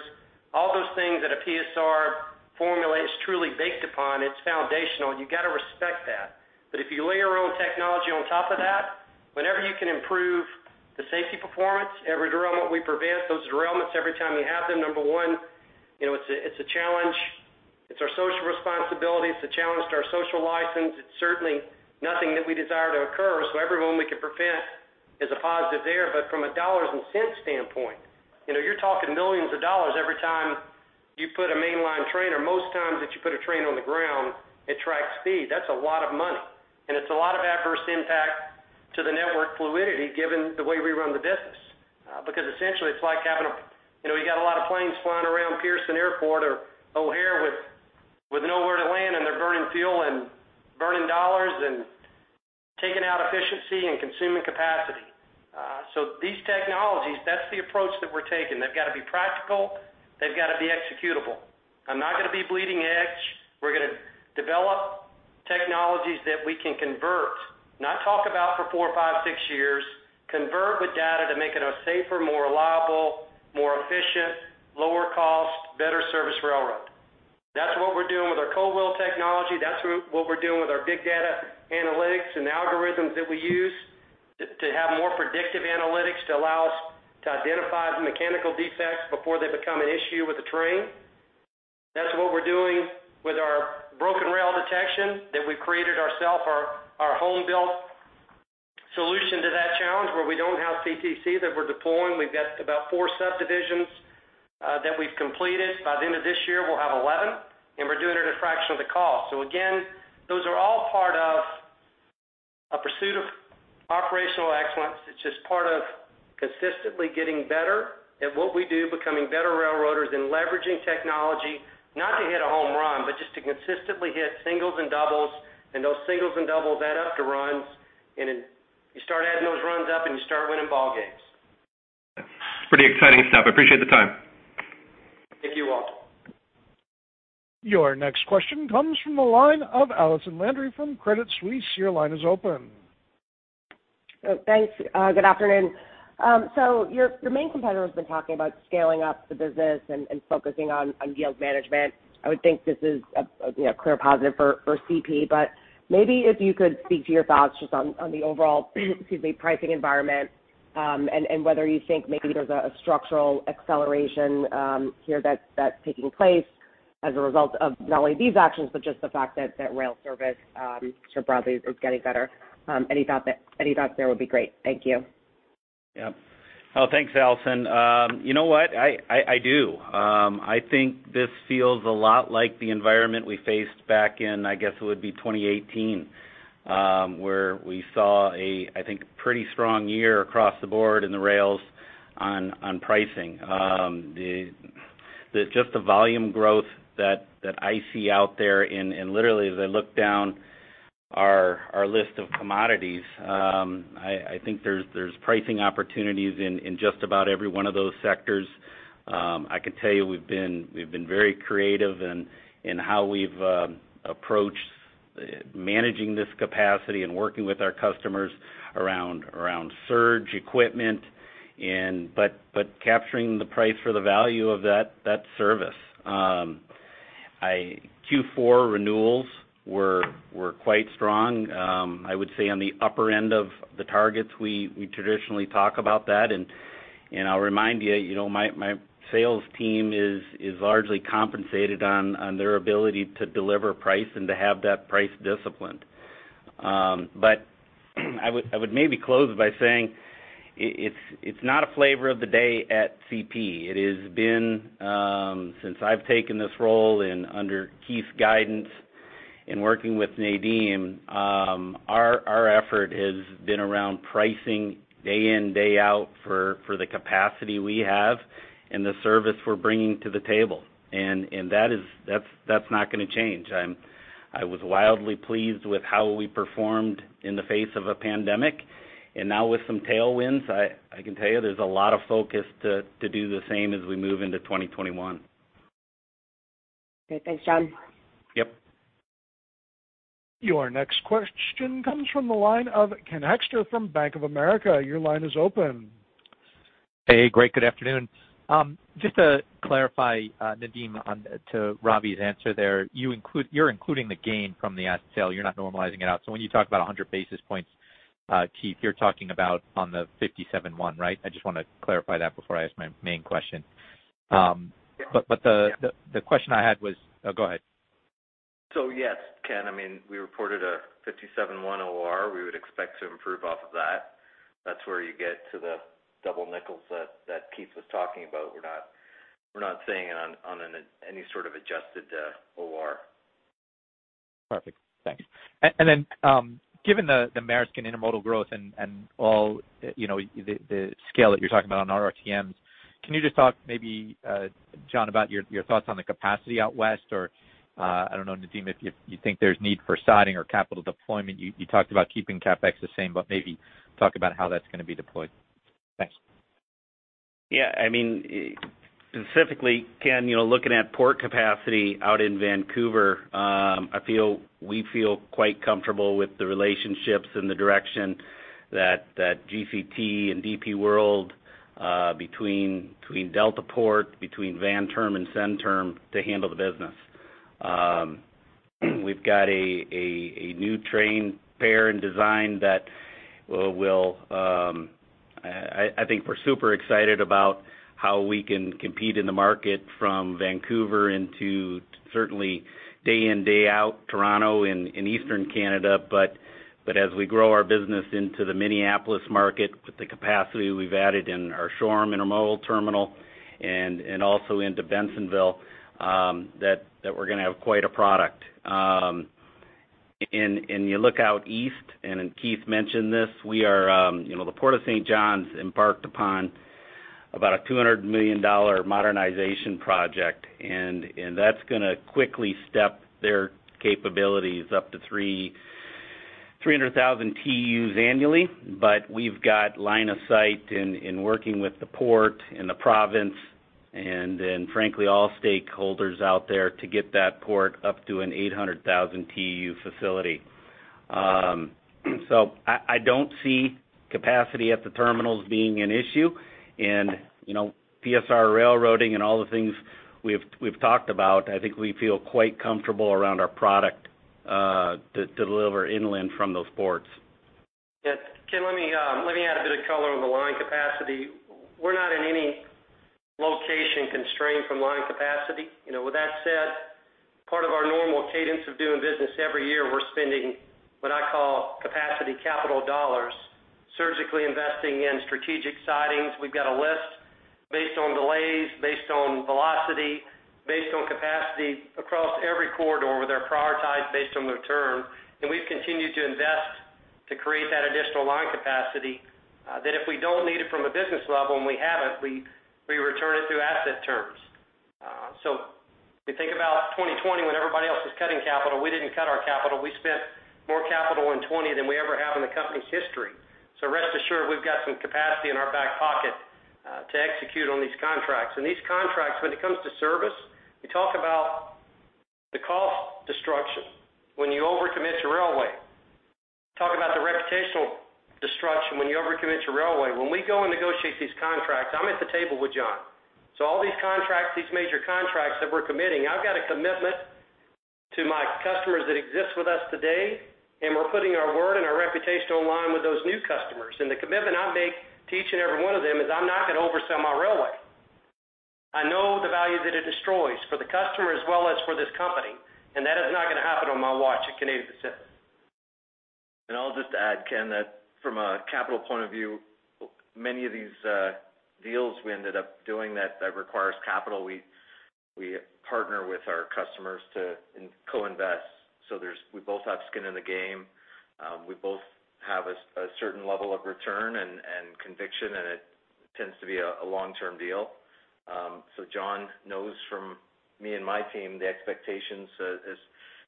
S3: all those things that a PSR formula is truly based upon, it's foundational, and you got to respect that. If you layer your own technology on top of that, whenever you can improve the safety performance, every derailment we prevent, those derailments, every time you have them, number one, it's a challenge. It's our social responsibility. It's a challenge to our social license. It's certainly nothing that we desire to occur. Every one we can prevent is a positive there. From a dollars and cents standpoint, you're talking millions of dollars every time you put a mainline train or most times that you put a train on the ground at track speed. That's a lot of money, and it's a lot of adverse impact to the network fluidity, given the way we run the business. Essentially it's like having you got a lot of planes flying around Pearson Airport or O'Hare with nowhere to land, and they're burning fuel and burning CAD and taking out efficiency and consuming capacity. These technologies, that's the approach that we're taking. They've got to be practical. They've got to be executable. I'm not going to be bleeding edge. We're going to develop technologies that we can convert, not talk about for four, five, six years. Convert with data to make it a safer, more reliable, more efficient, lower cost, better service railroad. That's what we're doing with our cold wheel technology. That's what we're doing with our big data analytics and algorithms that we use to have more predictive analytics to allow us to identify mechanical defects before they become an issue with the train. Our home-built solution to that challenge, where we don't have CTC that we're deploying. We've got about four subdivisions that we've completed. By the end of this year, we'll have 11, we're doing it at a fraction of the cost. Again, those are all part of a pursuit of operational excellence. It's just part of consistently getting better at what we do, becoming better railroaders and leveraging technology, not to hit a home run, but just to consistently hit singles and doubles, and those singles and doubles add up to runs. You start adding those runs up and you start winning ball games.
S10: Pretty exciting stuff. I appreciate the time.
S3: Thank you, Walter.
S1: Your next question comes from the line of Allison Landry from Credit Suisse. Your line is open.
S11: Thanks. Good afternoon. Your main competitor has been talking about scaling up the business and focusing on yield management. I would think this is a clear positive for CP, but maybe if you could speak to your thoughts just on the overall pricing environment, and whether you think maybe there's a structural acceleration here that's taking place as a result of not only these actions, but just the fact that rail service more broadly is getting better. Any thoughts there would be great. Thank you.
S4: Yep. Thanks, Allison. You know what? I do. I think this feels a lot like the environment we faced back in, I guess it would be 2018, where we saw a, I think, pretty strong year across the board in the rails on pricing. Just the volume growth that I see out there, and literally as I look down our list of commodities, I think there's pricing opportunities in just about every one of those sectors. I can tell you, we've been very creative in how we've approached managing this capacity and working with our customers around surge equipment, but capturing the price for the value of that service. Q4 renewals were quite strong. I would say on the upper end of the targets, we traditionally talk about that. I'll remind you, my sales team is largely compensated on their ability to deliver price and to have that price disciplined. I would maybe close by saying it's not a flavor of the day at CP. It has been since I've taken this role and under Keith's guidance in working with Nadeem, our effort has been around pricing day in, day out for the capacity we have and the service we're bringing to the table. That's not going to change. I was wildly pleased with how we performed in the face of a pandemic, and now with some tailwinds, I can tell you there's a lot of focus to do the same as we move into 2021.
S11: Okay. Thanks, John.
S4: Yep.
S1: Your next question comes from the line of Ken Hoexter from Bank of America. Your line is open.
S12: Hey, great. Good afternoon. Just to clarify, Nadeem, to Ravi's answer there, you're including the gain from the asset sale, you're not normalizing it out. When you talk about 100 basis points, Keith, you're talking about on the 57.1, right? I just want to clarify that before I ask my main question. Oh, go ahead.
S5: Yes, Ken, we reported a 57.1 OR. We would expect to improve off of that. That's where you get to the double nickel that Keith was talking about. We're not saying it on any sort of adjusted OR.
S12: Perfect. Thanks. Given the American Intermodal growth and all the scale that you're talking about on RTMs, can you just talk maybe, John, about your thoughts on the capacity out west, or I don't know, Nadeem, if you think there's need for siding or capital deployment. You talked about keeping CapEx the same, maybe talk about how that's going to be deployed. Thanks.
S4: Yeah. Specifically, Ken, looking at port capacity out in Vancouver, we feel quite comfortable with the relationships and the direction that GCT and DP World, between Deltaport, between Vanterm and Centerm to handle the business. I think we're super excited about how we can compete in the market from Vancouver into certainly day in, day out, Toronto and Eastern Canada. As we grow our business into the Minneapolis market with the capacity we've added in our Shoreham Intermodal Terminal and also into Bensenville, that we're going to have quite a product. You look out east, and Keith mentioned this, the Port Saint John's embarked upon about a 200 million dollar modernization project, and that's going to quickly step their capabilities up to 300,000 TEUs annually. We've got line of sight in working with the port and the province, and then frankly, all stakeholders out there to get that port up to an 800,000 TEU facility. I don't see capacity at the terminals being an issue and PSR railroading and all the things we've talked about, I think we feel quite comfortable around our product to deliver inland from those ports.
S3: Yeah. Ken, let me add a bit of color on the line capacity. We're not in any strain from line capacity. With that said, part of our normal cadence of doing business every year, we're spending what I call capacity capital dollars, surgically investing in strategic sidings. We've got a list based on delays, based on velocity, based on capacity across every corridor where they're prioritized based on return. We've continued to invest to create that additional line capacity, that if we don't need it from a business level and we have it, we return it through asset terms. If we think about 2020, when everybody else was cutting capital, we didn't cut our capital. We spent more capital in 2020 than we ever have in the company's history. Rest assured, we've got some capacity in our back pocket to execute on these contracts. These contracts, when it comes to service, we talk about the cost destruction when you over-commit to railway. Talk about the reputational destruction when you over-commit to railway. When we go and negotiate these contracts, I'm at the table with John. All these contracts, these major contracts that we're committing, I've got a commitment to my customers that exist with us today, and we're putting our word and our reputation on the line with those new customers. The commitment I make to each and every one of them is I'm not going to oversell my railway. I know the value that it destroys for the customer as well as for this company, and that is not going to happen on my watch at Canadian Pacific.
S5: I'll just add, Ken, that from a capital point of view, many of these deals we ended up doing that requires capital, we partner with our customers to co-invest. We both have skin in the game. We both have a certain level of return and conviction, and it tends to be a long-term deal. John knows from me and my team the expectations as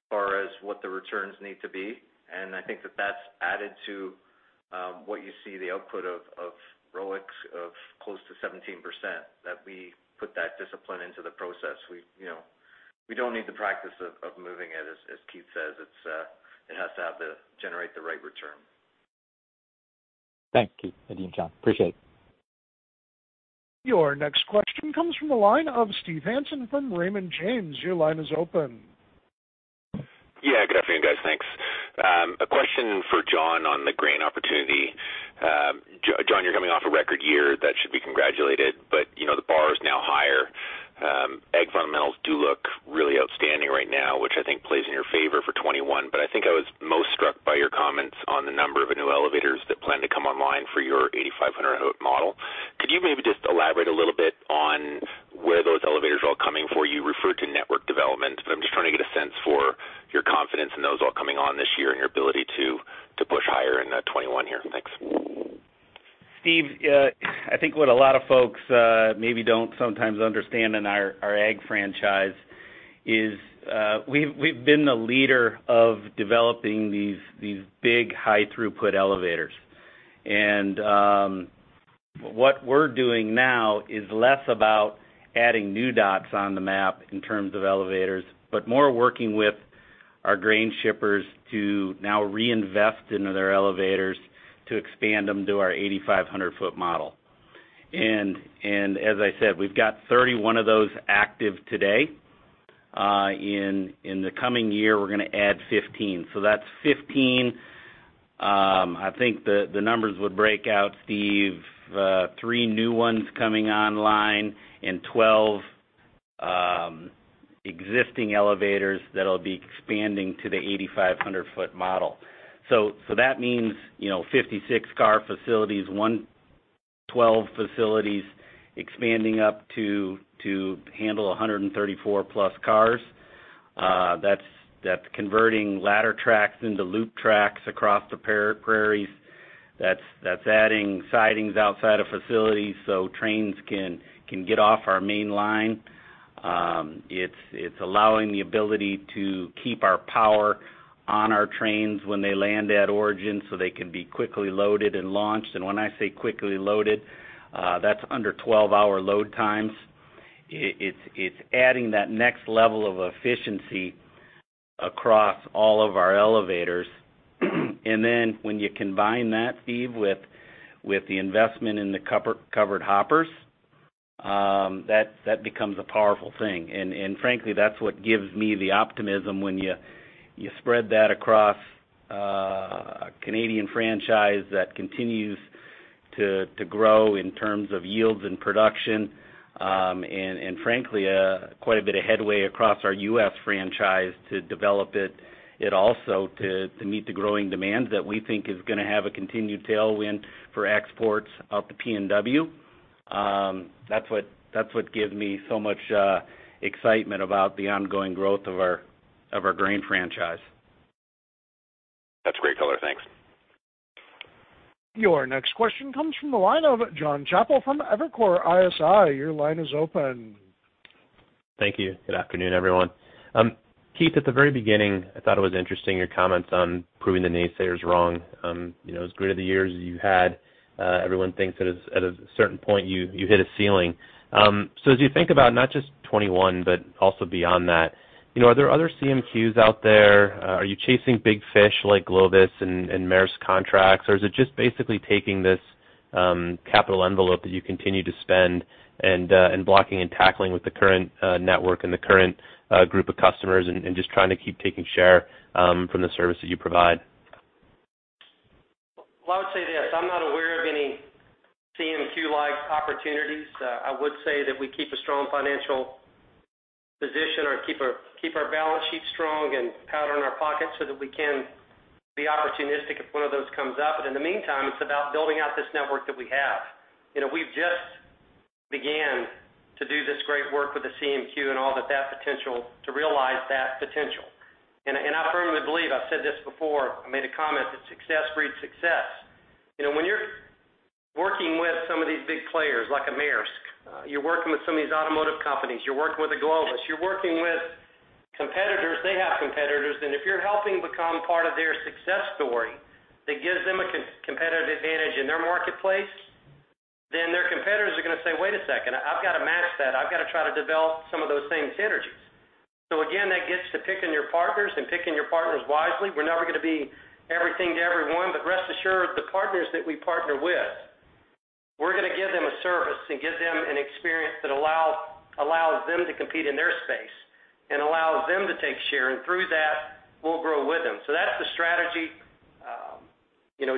S5: far as what the returns need to be, and I think that that's added to what you see the output of ROIC of close to 17%, that we put that discipline into the process. We don't need the practice of moving it, as Keith says. It has to generate the right return.
S12: Thanks, Keith, Nadeem, John, appreciate it.
S1: Your next question comes from the line of Steve Hansen from Raymond James. Your line is open.
S13: Yeah, good afternoon, guys. Thanks. A question for John on the grain opportunity. John, you're coming off a record year that should be congratulated, but the bar is now higher. Ag fundamentals do look really outstanding right now, which I think plays in your favor for 2021. I think I was most struck by your comments on the number of new elevators that plan to come online for your 8,500 ft model. Could you maybe just elaborate a little bit on where those elevators are all coming for you? You referred to network development, but I'm just trying to get a sense for your confidence in those all coming on this year and your ability to push higher in the 2021 here. Thanks.
S4: Steve, I think what a lot of folks maybe don't sometimes understand in our ag franchise is we've been the leader of developing these big high throughput elevators. What we're doing now is less about adding new dots on the map in terms of elevators, but more working with our grain shippers to now reinvest into their elevators to expand them to our 8,500 ft model. As I said, we've got 31 of those active today. In the coming year, we're going to add 15. That's 15, I think the numbers would break out, Steve, three new ones coming online and 12 existing elevators that'll be expanding to the 8,500 ft model. That means, 56 car facilities, 112 facilities expanding up to handle 134+ cars. That's converting ladder tracks into loop tracks across the prairies. That's adding sidings outside of facilities so trains can get off our main line. It's allowing the ability to keep our power on our trains when they land at origin so they can be quickly loaded and launched. When I say quickly loaded, that's under 12 hour load times. It's adding that next level of efficiency across all of our elevators. When you combine that, Steve, with the investment in the covered hoppers, that becomes a powerful thing. Frankly, that's what gives me the optimism when you spread that across a Canadian franchise that continues to grow in terms of yields and production. Frankly, quite a bit of headway across our U.S. franchise to develop it also to meet the growing demand that we think is going to have a continued tailwind for exports out the PNW. That's what gives me so much excitement about the ongoing growth of our grain franchise.
S13: That's great color. Thanks.
S1: Your next question comes from the line of Jonathan Chappell from Evercore ISI. Your line is open.
S14: Thank you. Good afternoon, everyone. Keith, at the very beginning, I thought it was interesting, your comments on proving the naysayers wrong. As great of the years as you had, everyone thinks that at a certain point you hit a ceiling. As you think about not just 2021 but also beyond that, are there other CMQs out there? Are you chasing big fish like Glovis and Maersk contracts, or is it just basically taking this capital envelope that you continue to spend and blocking and tackling with the current network and the current group of customers and just trying to keep taking share from the services you provide?
S3: Well, I would say this, I'm not aware of any CMQ like opportunities. I would say that we keep a strong financial position or keep our balance sheet strong and powder in our pockets so that we can be opportunistic if one of those comes up. In the meantime, it's about building out this network that we have. We've just began to do this great work with the CMQ and all of that potential to realize that potential. I firmly believe, I've said this before, I made a comment that success breeds success. When you're working with some of these big players like a Maersk, you're working with some of these automotive companies, you're working with a Glovis, you're working with competitors, they have competitors, if you're helping become part of their success story, that gives them a competitive advantage in their marketplace. Their competitors are going to say, "Wait a second, I've got to match that. I've got to try to develop some of those same synergies." Again, that gets to picking your partners and picking your partners wisely. We're never going to be everything to everyone, but rest assured, the partners that we partner with, we're going to give them a service and give them an experience that allows them to compete in their space and allows them to take share, and through that, we'll grow with them. That's the strategy.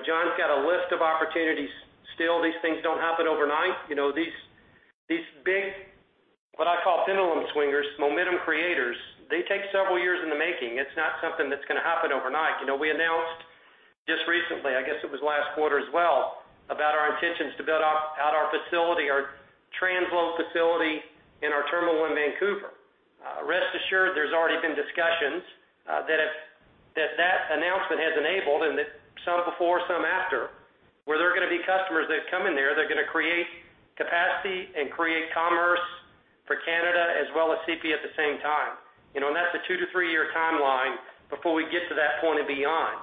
S3: John's got a list of opportunities still. These things don't happen overnight. These big, what I call pendulum swingers, momentum creators, they take several years in the making. It's not something that's going to happen overnight. We announced just recently, I guess it was last quarter as well, about our intentions to build out our facility, our transload facility in our terminal in Vancouver. Rest assured, there's already been discussions that that announcement has enabled and that some before, some after, where there are going to be customers that come in there that are going to create capacity and create commerce for Canada as well as CP at the same time. That's a two to three year timeline before we get to that point and beyond.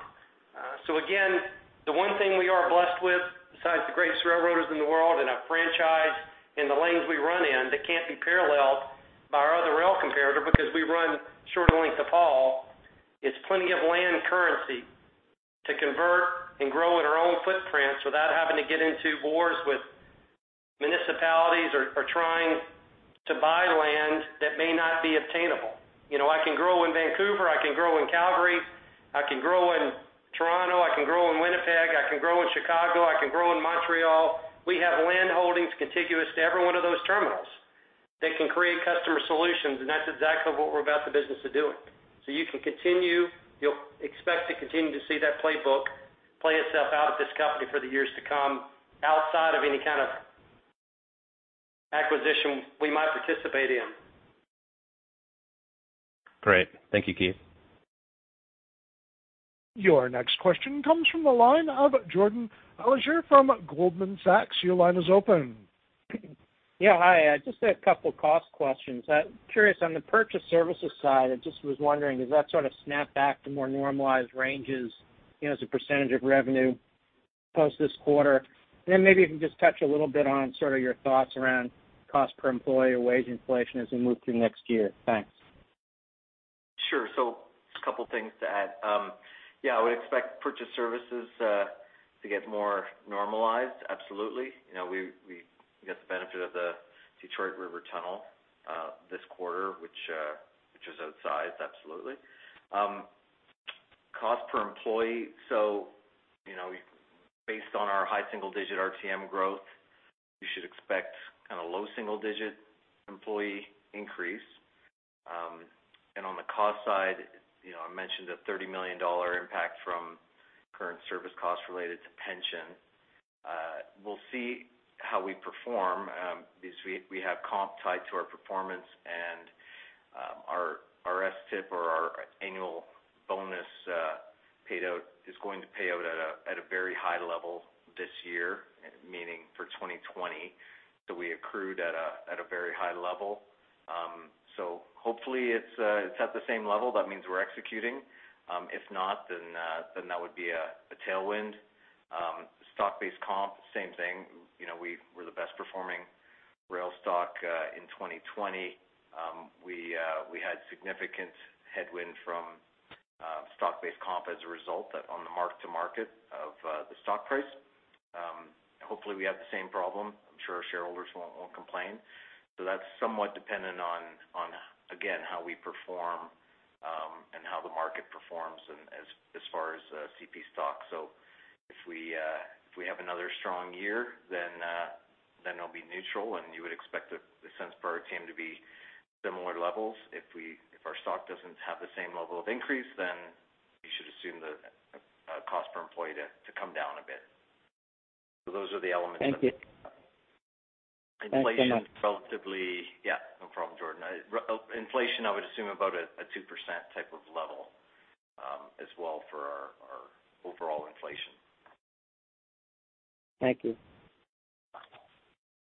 S3: Again, the one thing we are blessed with, besides the greatest railroaders in the world and a franchise in the lanes we run in that can't be paralleled by our other rail competitor because we run shorter length of haul, it's plenty of land currency to convert and grow in our own footprints without having to get into wars with municipalities or trying to buy land that may not be obtainable. I can grow in Vancouver, I can grow in Calgary, I can grow in Toronto, I can grow in Winnipeg, I can grow in Chicago, I can grow in Montreal. We have land holdings contiguous to every one of those terminals that can create customer solutions, and that's exactly what we're about the business of doing. You'll expect to continue to see that playbook play itself out at this company for the years to come, outside of any kind of acquisition we might participate in.
S14: Great. Thank you, Keith.
S1: Your next question comes from the line of Jordan Alliger from Goldman Sachs. Your line is open.
S15: Yeah, hi. Just a couple of cost questions. Curious on the purchased services side, I just was wondering, does that sort of snap back to more normalized ranges as a percentage of revenue post this quarter? Maybe you can just touch a little bit on sort of your thoughts around cost per employee or wage inflation as we move through next year. Thanks.
S5: Sure. A couple things to add. I would expect purchased services to get more normalized, absolutely. We get the benefit of the Detroit River Tunnel, this quarter, which is outsized, absolutely. Cost per employee, based on our high single-digit RTM growth, you should expect low single-digit employee increase. On the cost side, I mentioned a 30 million dollar impact from current service costs related to pension. We'll see how we perform, because we have comp tied to our performance and our STIP or our annual bonus paid out is going to pay out at a very high level this year, meaning for 2020, that we accrued at a very high level. Hopefully it's at the same level. That means we're executing. If not, that would be a tailwind. Stock-based comp, same thing. We're the best performing rail stock in 2020. We had significant headwind from stock-based comp as a result on the mark to market of the stock price. Hopefully, we have the same problem. I'm sure shareholders won't complain. That's somewhat dependent on, again, how we perform, and how the market performs and as far as CP stock. If we have another strong year, then it'll be neutral, and you would expect the cents per TEU to be similar levels. If our stock doesn't have the same level of increase, then you should assume the cost per employee to come down a bit.
S15: Thank you.
S5: Yeah, no problem, Jordan. Inflation, I would assume about a 2% type of level as well for our overall inflation.
S15: Thank you.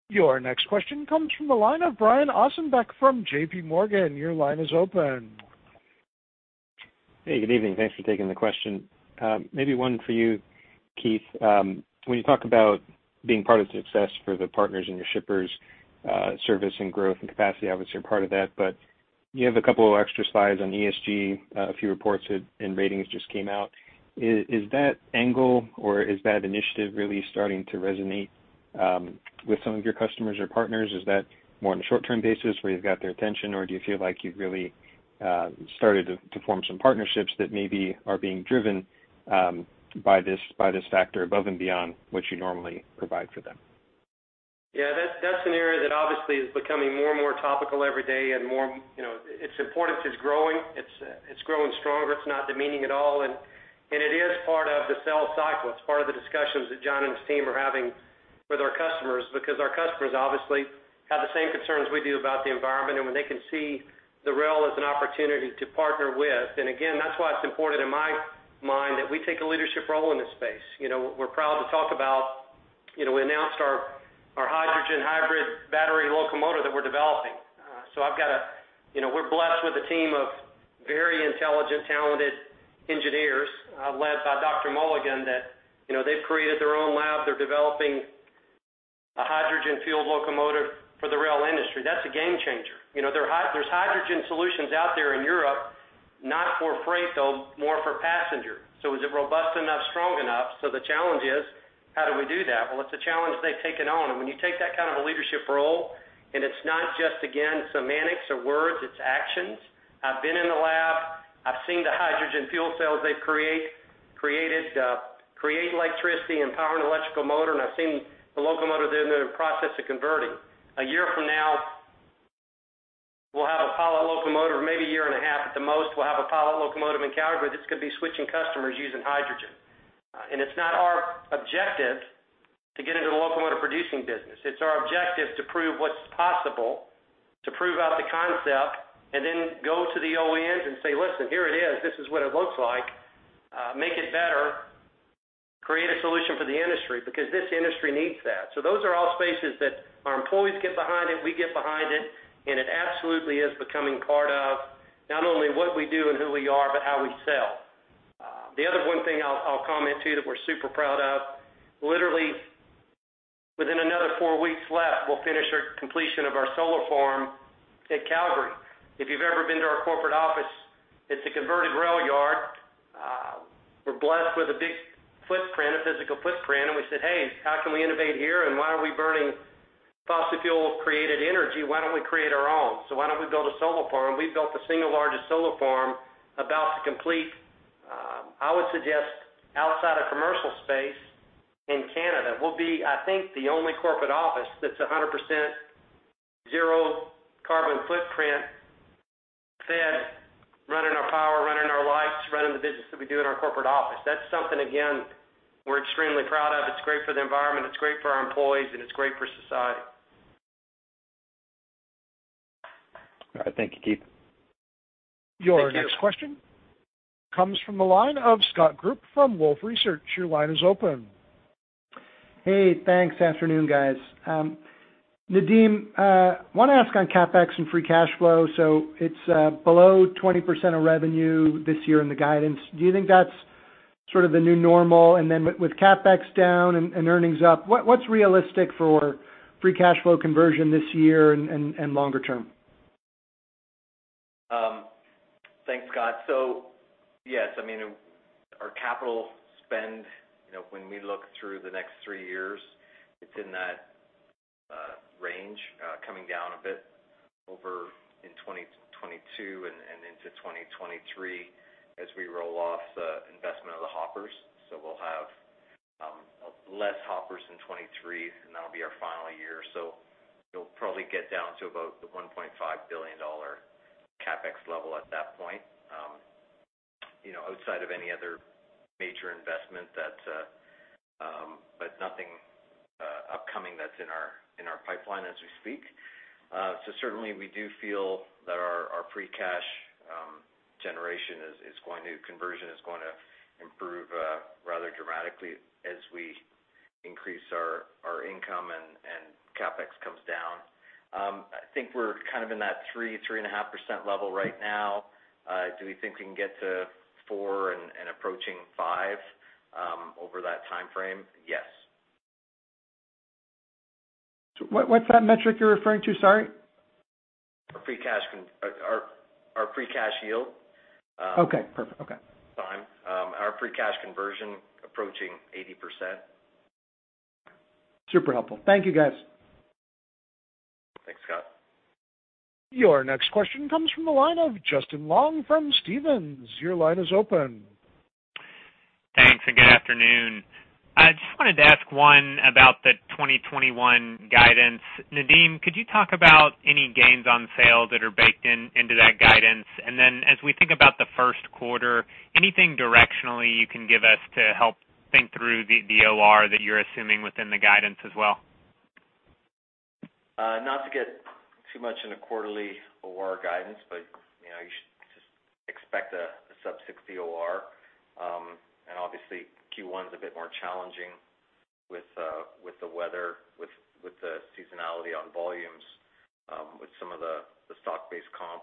S1: Your next question comes from the line of Brian Ossenbeck from JPMorgan. Your line is open.
S16: Hey, good evening. Thanks for taking the question. Maybe one for you, Keith. When you talk about being part of success for the partners and your shippers, service and growth and capacity, obviously are part of that. You have a couple of extra slides on ESG, a few reports and ratings just came out. Is that angle or is that initiative really starting to resonate? With some of your customers or partners, is that more on a short-term basis where you've got their attention, or do you feel like you've really started to form some partnerships that maybe are being driven by this factor above and beyond what you normally provide for them?
S3: Yeah, that's an area that obviously is becoming more and more topical every day and its importance is growing. It's growing stronger. It's not diminishing at all. It is part of the sales cycle. It's part of the discussions that John and his team are having with our customers, because our customers obviously have the same concerns we do about the environment and when they can see the rail as an opportunity to partner with. Again, that's why it's important in my mind that we take a leadership role in this space. We're proud to talk about. We announced our hydrogen hybrid battery locomotive that we're developing. We're blessed with a team of very intelligent, talented engineers, led by Dr. Mulligan, that they've created their own lab. They're developing a hydrogen-fueled locomotive for the rail industry. That's a game changer. There's hydrogen solutions out there in Europe, not for freight, though, more for passenger. Is it robust enough, strong enough? The challenge is: how do we do that? Well, it's a challenge they've taken on. When you take that kind of a leadership role, it's not just, again, semantics or words, it's actions. I've been in the lab. I've seen the hydrogen fuel cells they've created, create electricity and power an electrical motor, and I've seen the locomotive they're in the process of converting. One year from now, we'll have a pilot locomotive, or maybe one and a half years at the most, we'll have a pilot locomotive in Calgary that's going to be switching customers using hydrogen. It's not our objective to get into the locomotive producing business. It's our objective to prove what's possible, to prove out the concept, and then go to the OEMs and say, "Listen, here it is. This is what it looks like. Make it better. Create a solution for the industry," because this industry needs that. Those are all spaces that our employees get behind it, we get behind it, and it absolutely is becoming part of not only what we do and who we are, but how we sell. The other one thing I'll comment, too, that we're super proud of, literally within another four weeks left, we'll finish our completion of our solar farm at Calgary. If you've ever been to our corporate office, it's a converted rail yard. We're blessed with a big footprint, a physical footprint, and we said, "Hey, how can we innovate here? Why are we burning fossil fuel-created energy? Why don't we create our own? Why don't we build a solar farm? We've built the single largest solar farm about to complete, I would suggest, outside of commercial space in Canada. We'll be, I think, the only corporate office that's 100% zero carbon footprint fed, running our power, running our lights, running the business that we do in our corporate office. That's something, again, we're extremely proud of. It's great for the environment, it's great for our employees, and it's great for society.
S16: All right. Thank you, Keith.
S3: Thank you.
S1: Your next question comes from the line of Scott Group from Wolfe Research. Your line is open.
S17: Hey, thanks. Afternoon, guys. Nadeem, want to ask on CapEx and free cash flow. It's below 20% of revenue this year in the guidance. Do you think that's sort of the new normal? With CapEx down and earnings up, what's realistic for free cash flow conversion this year and longer term?
S5: Thanks, Scott. Yes, our capital spend, when we look through the next three years, it's in that range, coming down a bit over in 2022 and into 2023 as we roll off the investment of the hoppers. We'll have less hoppers in 2023, and that'll be our final year. You'll probably get down to about the 1.5 billion dollar CapEx level at that point. Outside of any other major investment, nothing upcoming that's in our pipeline as we speak. Certainly, we do feel that our free cash generation, conversion is going to improve rather dramatically as we increase our income and CapEx comes down. I think we're kind of in that 3%, 3.5% level right now. Do we think we can get to 4% and approaching 5% over that timeframe? Yes.
S17: What's that metric you're referring to? Sorry.
S5: Our free cash yield.
S17: Okay, perfect. Okay.
S5: Our free cash conversion approaching 80%.
S17: Super helpful. Thank you guys.
S5: Thanks, Scott.
S1: Your next question comes from the line of Justin Long from Stephens. Your line is open.
S18: Thanks, good afternoon. I just wanted to ask one about the 2021 guidance. Nadeem, could you talk about any gains on sales that are baked into that guidance? As we think about the first quarter, anything directionally you can give us to help think through the OR that you're assuming within the guidance as well?
S5: Not to get too much in a quarterly OR guidance, you should just expect a sub-60 OR. Obviously Q1's a bit more challenging with the weather, with the seasonality on volumes, with some of the stock-based comp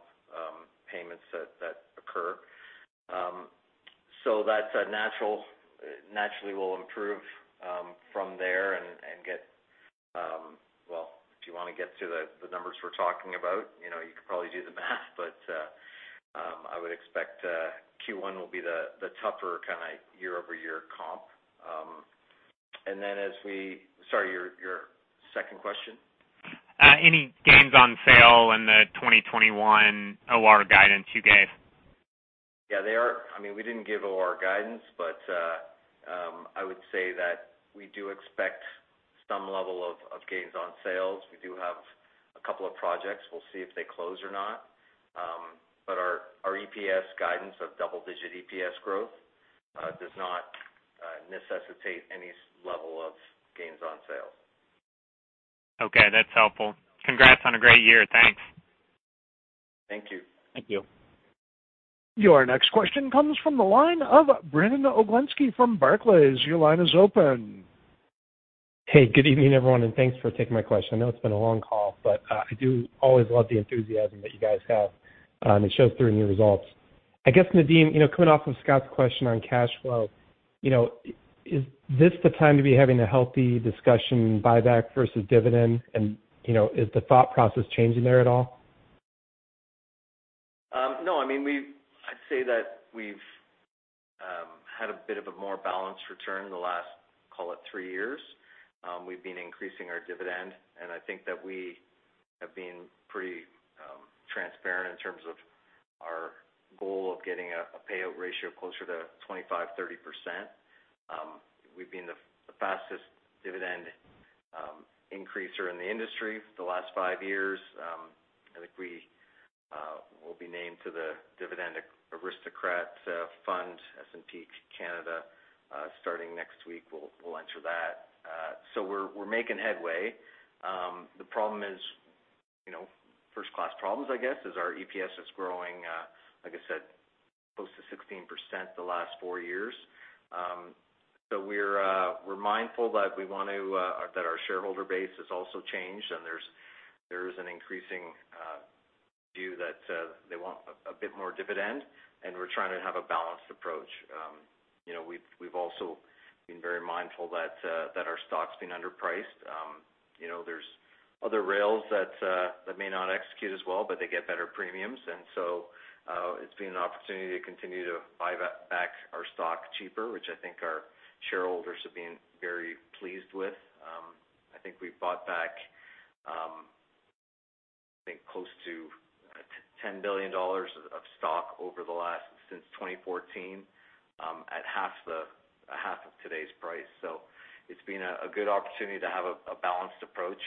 S5: payments that occur. That naturally will improve from there. Well, if you want to get to the numbers we're talking about, you could probably do the math, but I would expect Q1 will be the tougher kind of year-over-year comp. Sorry, your second question?
S18: Any gains on sale in the 2021 OR guidance you gave?
S5: Yeah, they are. We didn't give OR guidance. I would say that we do expect some level of gains on sales. We do have a couple of projects. We'll see if they close or not. Our EPS guidance of double-digit EPS growth does not necessitate any level of gains on sales.
S18: Okay, that's helpful. Congrats on a great year. Thanks.
S5: Thank you.
S3: Thank you.
S1: Your next question comes from the line of Brandon Oglenski from Barclays.
S19: Hey, good evening, everyone. Thanks for taking my question. I know it's been a long call, but I do always love the enthusiasm that you guys have. It shows through in your results. I guess, Nadeem, coming off of Scott's question on cash flow, is this the time to be having a healthy discussion, buyback versus dividend? Is the thought process changing there at all?
S5: No. I'd say that we've had a bit of a more balanced return in the last, call it three years. We've been increasing our dividend, and I think that we have been pretty transparent in terms of our goal of getting a payout ratio closer to 25%, 30%. We've been the fastest dividend increaser in the industry for the last five years. I think we will be named to the Dividend Aristocrat Fund, S&P Canada, starting next week. We'll enter that. We're making headway. The problem is, first-class problems, I guess is our EPS is growing, like I said, close to 16% the last four years. We're mindful that our shareholder base has also changed, and there is an increasing view that they want a bit more dividend, and we're trying to have a balanced approach. We've also been very mindful that our stock's been underpriced. There's other rails that may not execute as well, but they get better premiums. It's been an opportunity to continue to buy back our stock cheaper, which I think our shareholders have been very pleased with. We've bought back close to 10 billion dollars of stock since 2014, at half of today's price. It's been a good opportunity to have a balanced approach.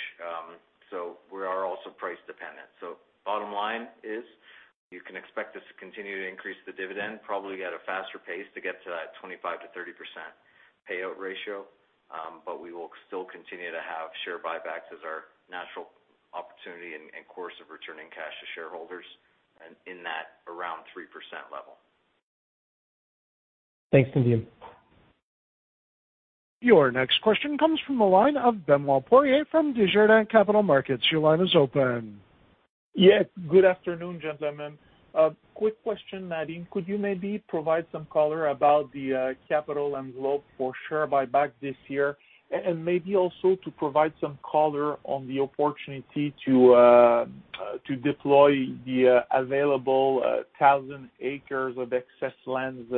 S5: We are also price dependent. Bottom line is you can expect us to continue to increase the dividend probably at a faster pace to get to that 25%-30% payout ratio. We will still continue to have share buybacks as our natural opportunity and course of returning cash to shareholders in that around 3% level.
S19: Thanks, Nadeem.
S1: Your next question comes from the line of Benoit Poirier from Desjardins Capital Markets. Your line is open.
S20: Yes. Good afternoon, gentlemen. Quick question, Nadeem. Could you maybe provide some color about the capital envelope for share buyback this year? maybe also to provide some color on the opportunity to deploy the available 1,000 acres of excess lands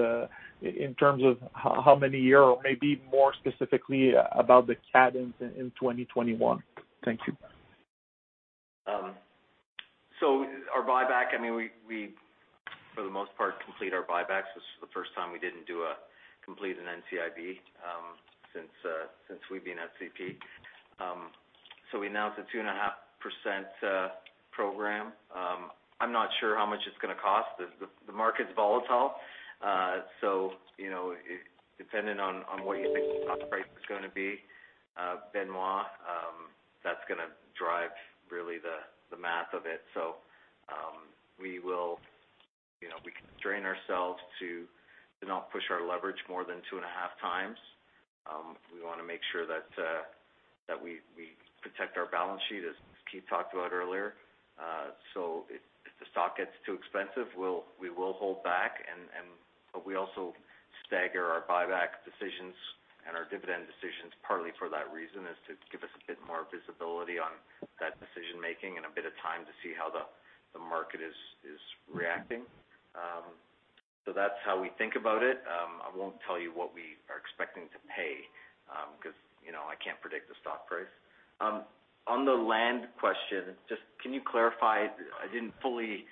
S20: in terms of how many year, or maybe more specifically about the cadence in 2021. Thank you.
S5: Our buyback, we, for the most part, complete our buybacks. This is the first time we didn't complete an NCIB since we've been at CP. We announced a 2.5% program. I'm not sure how much it's gonna cost. The market's volatile. Depending on what you think the stock price is gonna be, Benoit, that's gonna drive really the math of it. We constrain ourselves to not push our leverage more than two and a half times. We wanna make sure that we protect our balance sheet, as Keith talked about earlier. If the stock gets too expensive, we will hold back. We also stagger our buyback decisions and our dividend decisions partly for that reason, is to give us a bit more visibility on that decision-making and a bit of time to see how the market is reacting. That's how we think about it. I won't tell you what we are expecting to pay, because I can't predict the stock price. On the land question, just can you clarify? I didn't fully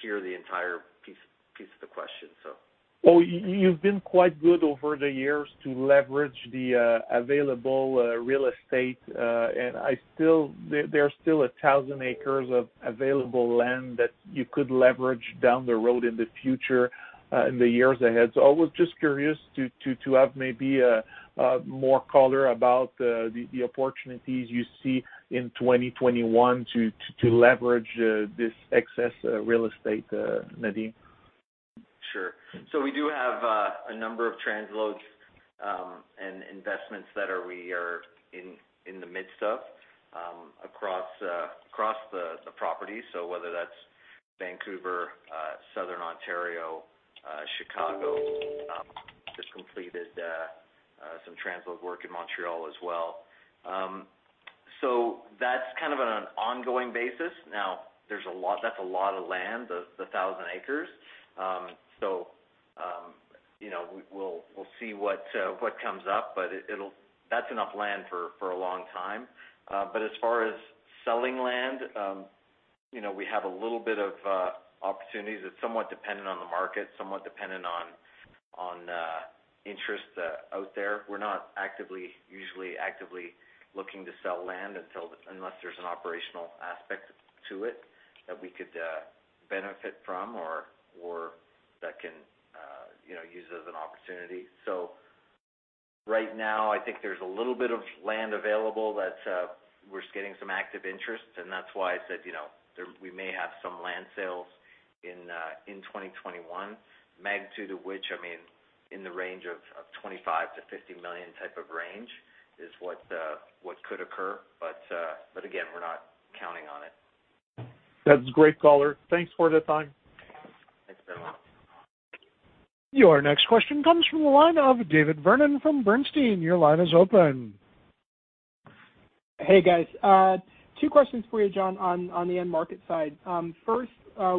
S5: hear the entire piece of the question.
S20: Well, you've been quite good over the years to leverage the available real estate. There are still 1,000 acres of available land that you could leverage down the road in the future, in the years ahead. I was just curious to have maybe more color about the opportunities you see in 2021 to leverage this excess real estate, Nadeem?
S5: Sure. We do have a number of transloads and investments that we are in the midst of across the properties. Whether that's Vancouver, Southern Ontario, Chicago. Just completed some transload work in Montreal as well. That's kind of on an ongoing basis. Now that's a lot of land, the 1,000 acres. We'll see what comes up, but that's enough land for a long time. As far as selling land we have a little bit of opportunities. It's somewhat dependent on the market, somewhat dependent on interest out there. We're not usually actively looking to sell land unless there's an operational aspect to it that we could benefit from or that can use it as an opportunity. Right now, I think there's a little bit of land available that we're getting some active interest, and that's why I said we may have some land sales in 2021. Magnitude of which, in the range of 25 million-50 million type of range is what could occur. Again, we're not counting on it.
S20: That's great, color. Thanks for the time.
S5: Thanks very much.
S1: Your next question comes from the line of David Vernon from Bernstein. Your line is open.
S21: Hey, guys. Two questions for you, John, on the end market side. First,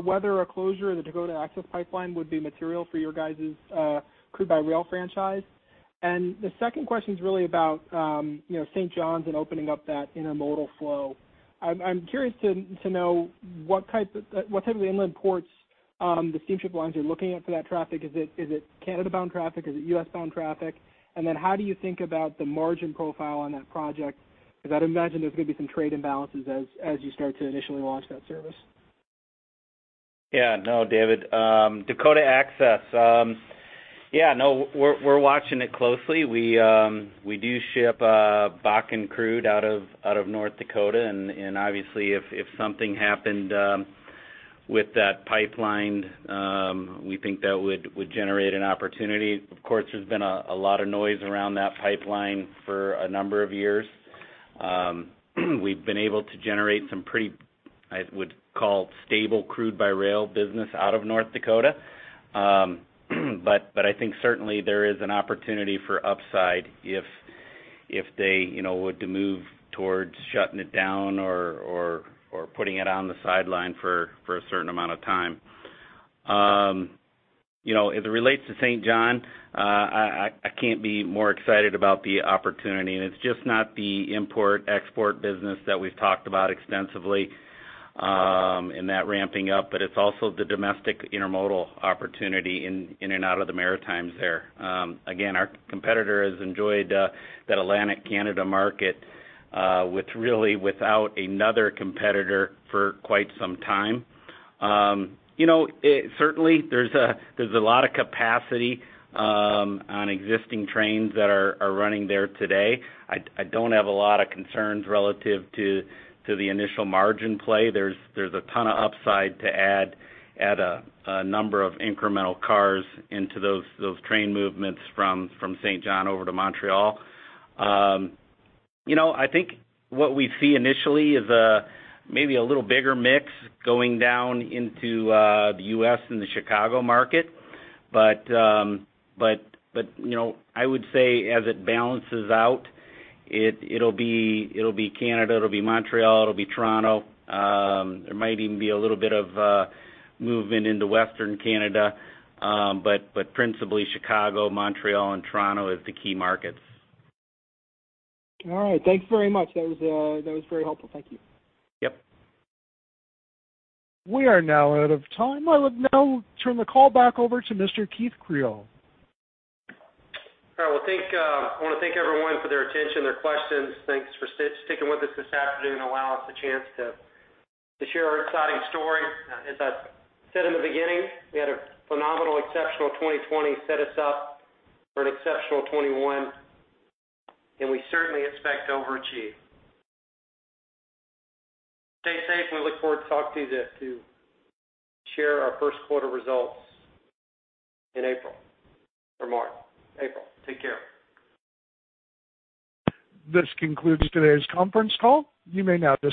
S21: whether a closure of the Dakota Access Pipeline would be material for your guys' crude by rail franchise. The second question's really about Port Saint John and opening up that intermodal flow. I'm curious to know what type of inland ports the steamship lines are looking at for that traffic. Is it Canada-bound traffic? Is it U.S. bound traffic? How do you think about the margin profile on that project? Because I'd imagine there's going to be some trade imbalances as you start to initially launch that service.
S4: Yeah. No, David. Dakota Access. Yeah. No, we're watching it closely. We do ship Bakken crude out of North Dakota, and obviously if something happened with that pipeline, we think that would generate an opportunity. Of course, there's been a lot of noise around that pipeline for a number of years. We've been able to generate some pretty, I would call, stable crude by rail business out of North Dakota. I think certainly there is an opportunity for upside if they were to move towards shutting it down or putting it on the sideline for a certain amount of time. As it relates to Saint John, I can't be more excited about the opportunity, and it's just not the import-export business that we've talked about extensively and that ramping up, but it's also the domestic intermodal opportunity in and out of the Maritimes there. Our competitor has enjoyed that Atlantic Canada market, with really without another competitor for quite some time. There's a lot of capacity on existing trains that are running there today. I don't have a lot of concerns relative to the initial margin play. There's a ton of upside to add a number of incremental cars into those train movements from Saint John over to Montreal. I think what we see initially is maybe a little bigger mix going down into the U.S. and the Chicago market. I would say as it balances out, it'll be Canada, it'll be Montreal, it'll be Toronto. There might even be a little bit of movement into Western Canada. Principally Chicago, Montreal, and Toronto is the key markets.
S21: All right. Thanks very much. That was very helpful. Thank you.
S4: Yep.
S1: We are now out of time. I would now turn the call back over to Mr. Keith Creel.
S3: All right. I want to thank everyone for their attention, their questions. Thanks for sticking with us this afternoon and allowing us a chance to share our exciting story. As I said in the beginning, we had a phenomenal, exceptional 2020 set us up for an exceptional 2021, and we certainly expect to overachieve. Stay safe. We look forward to talking to you to share our first quarter results in April or March. April. Take care.
S1: This concludes today's conference call. You may now disconnect.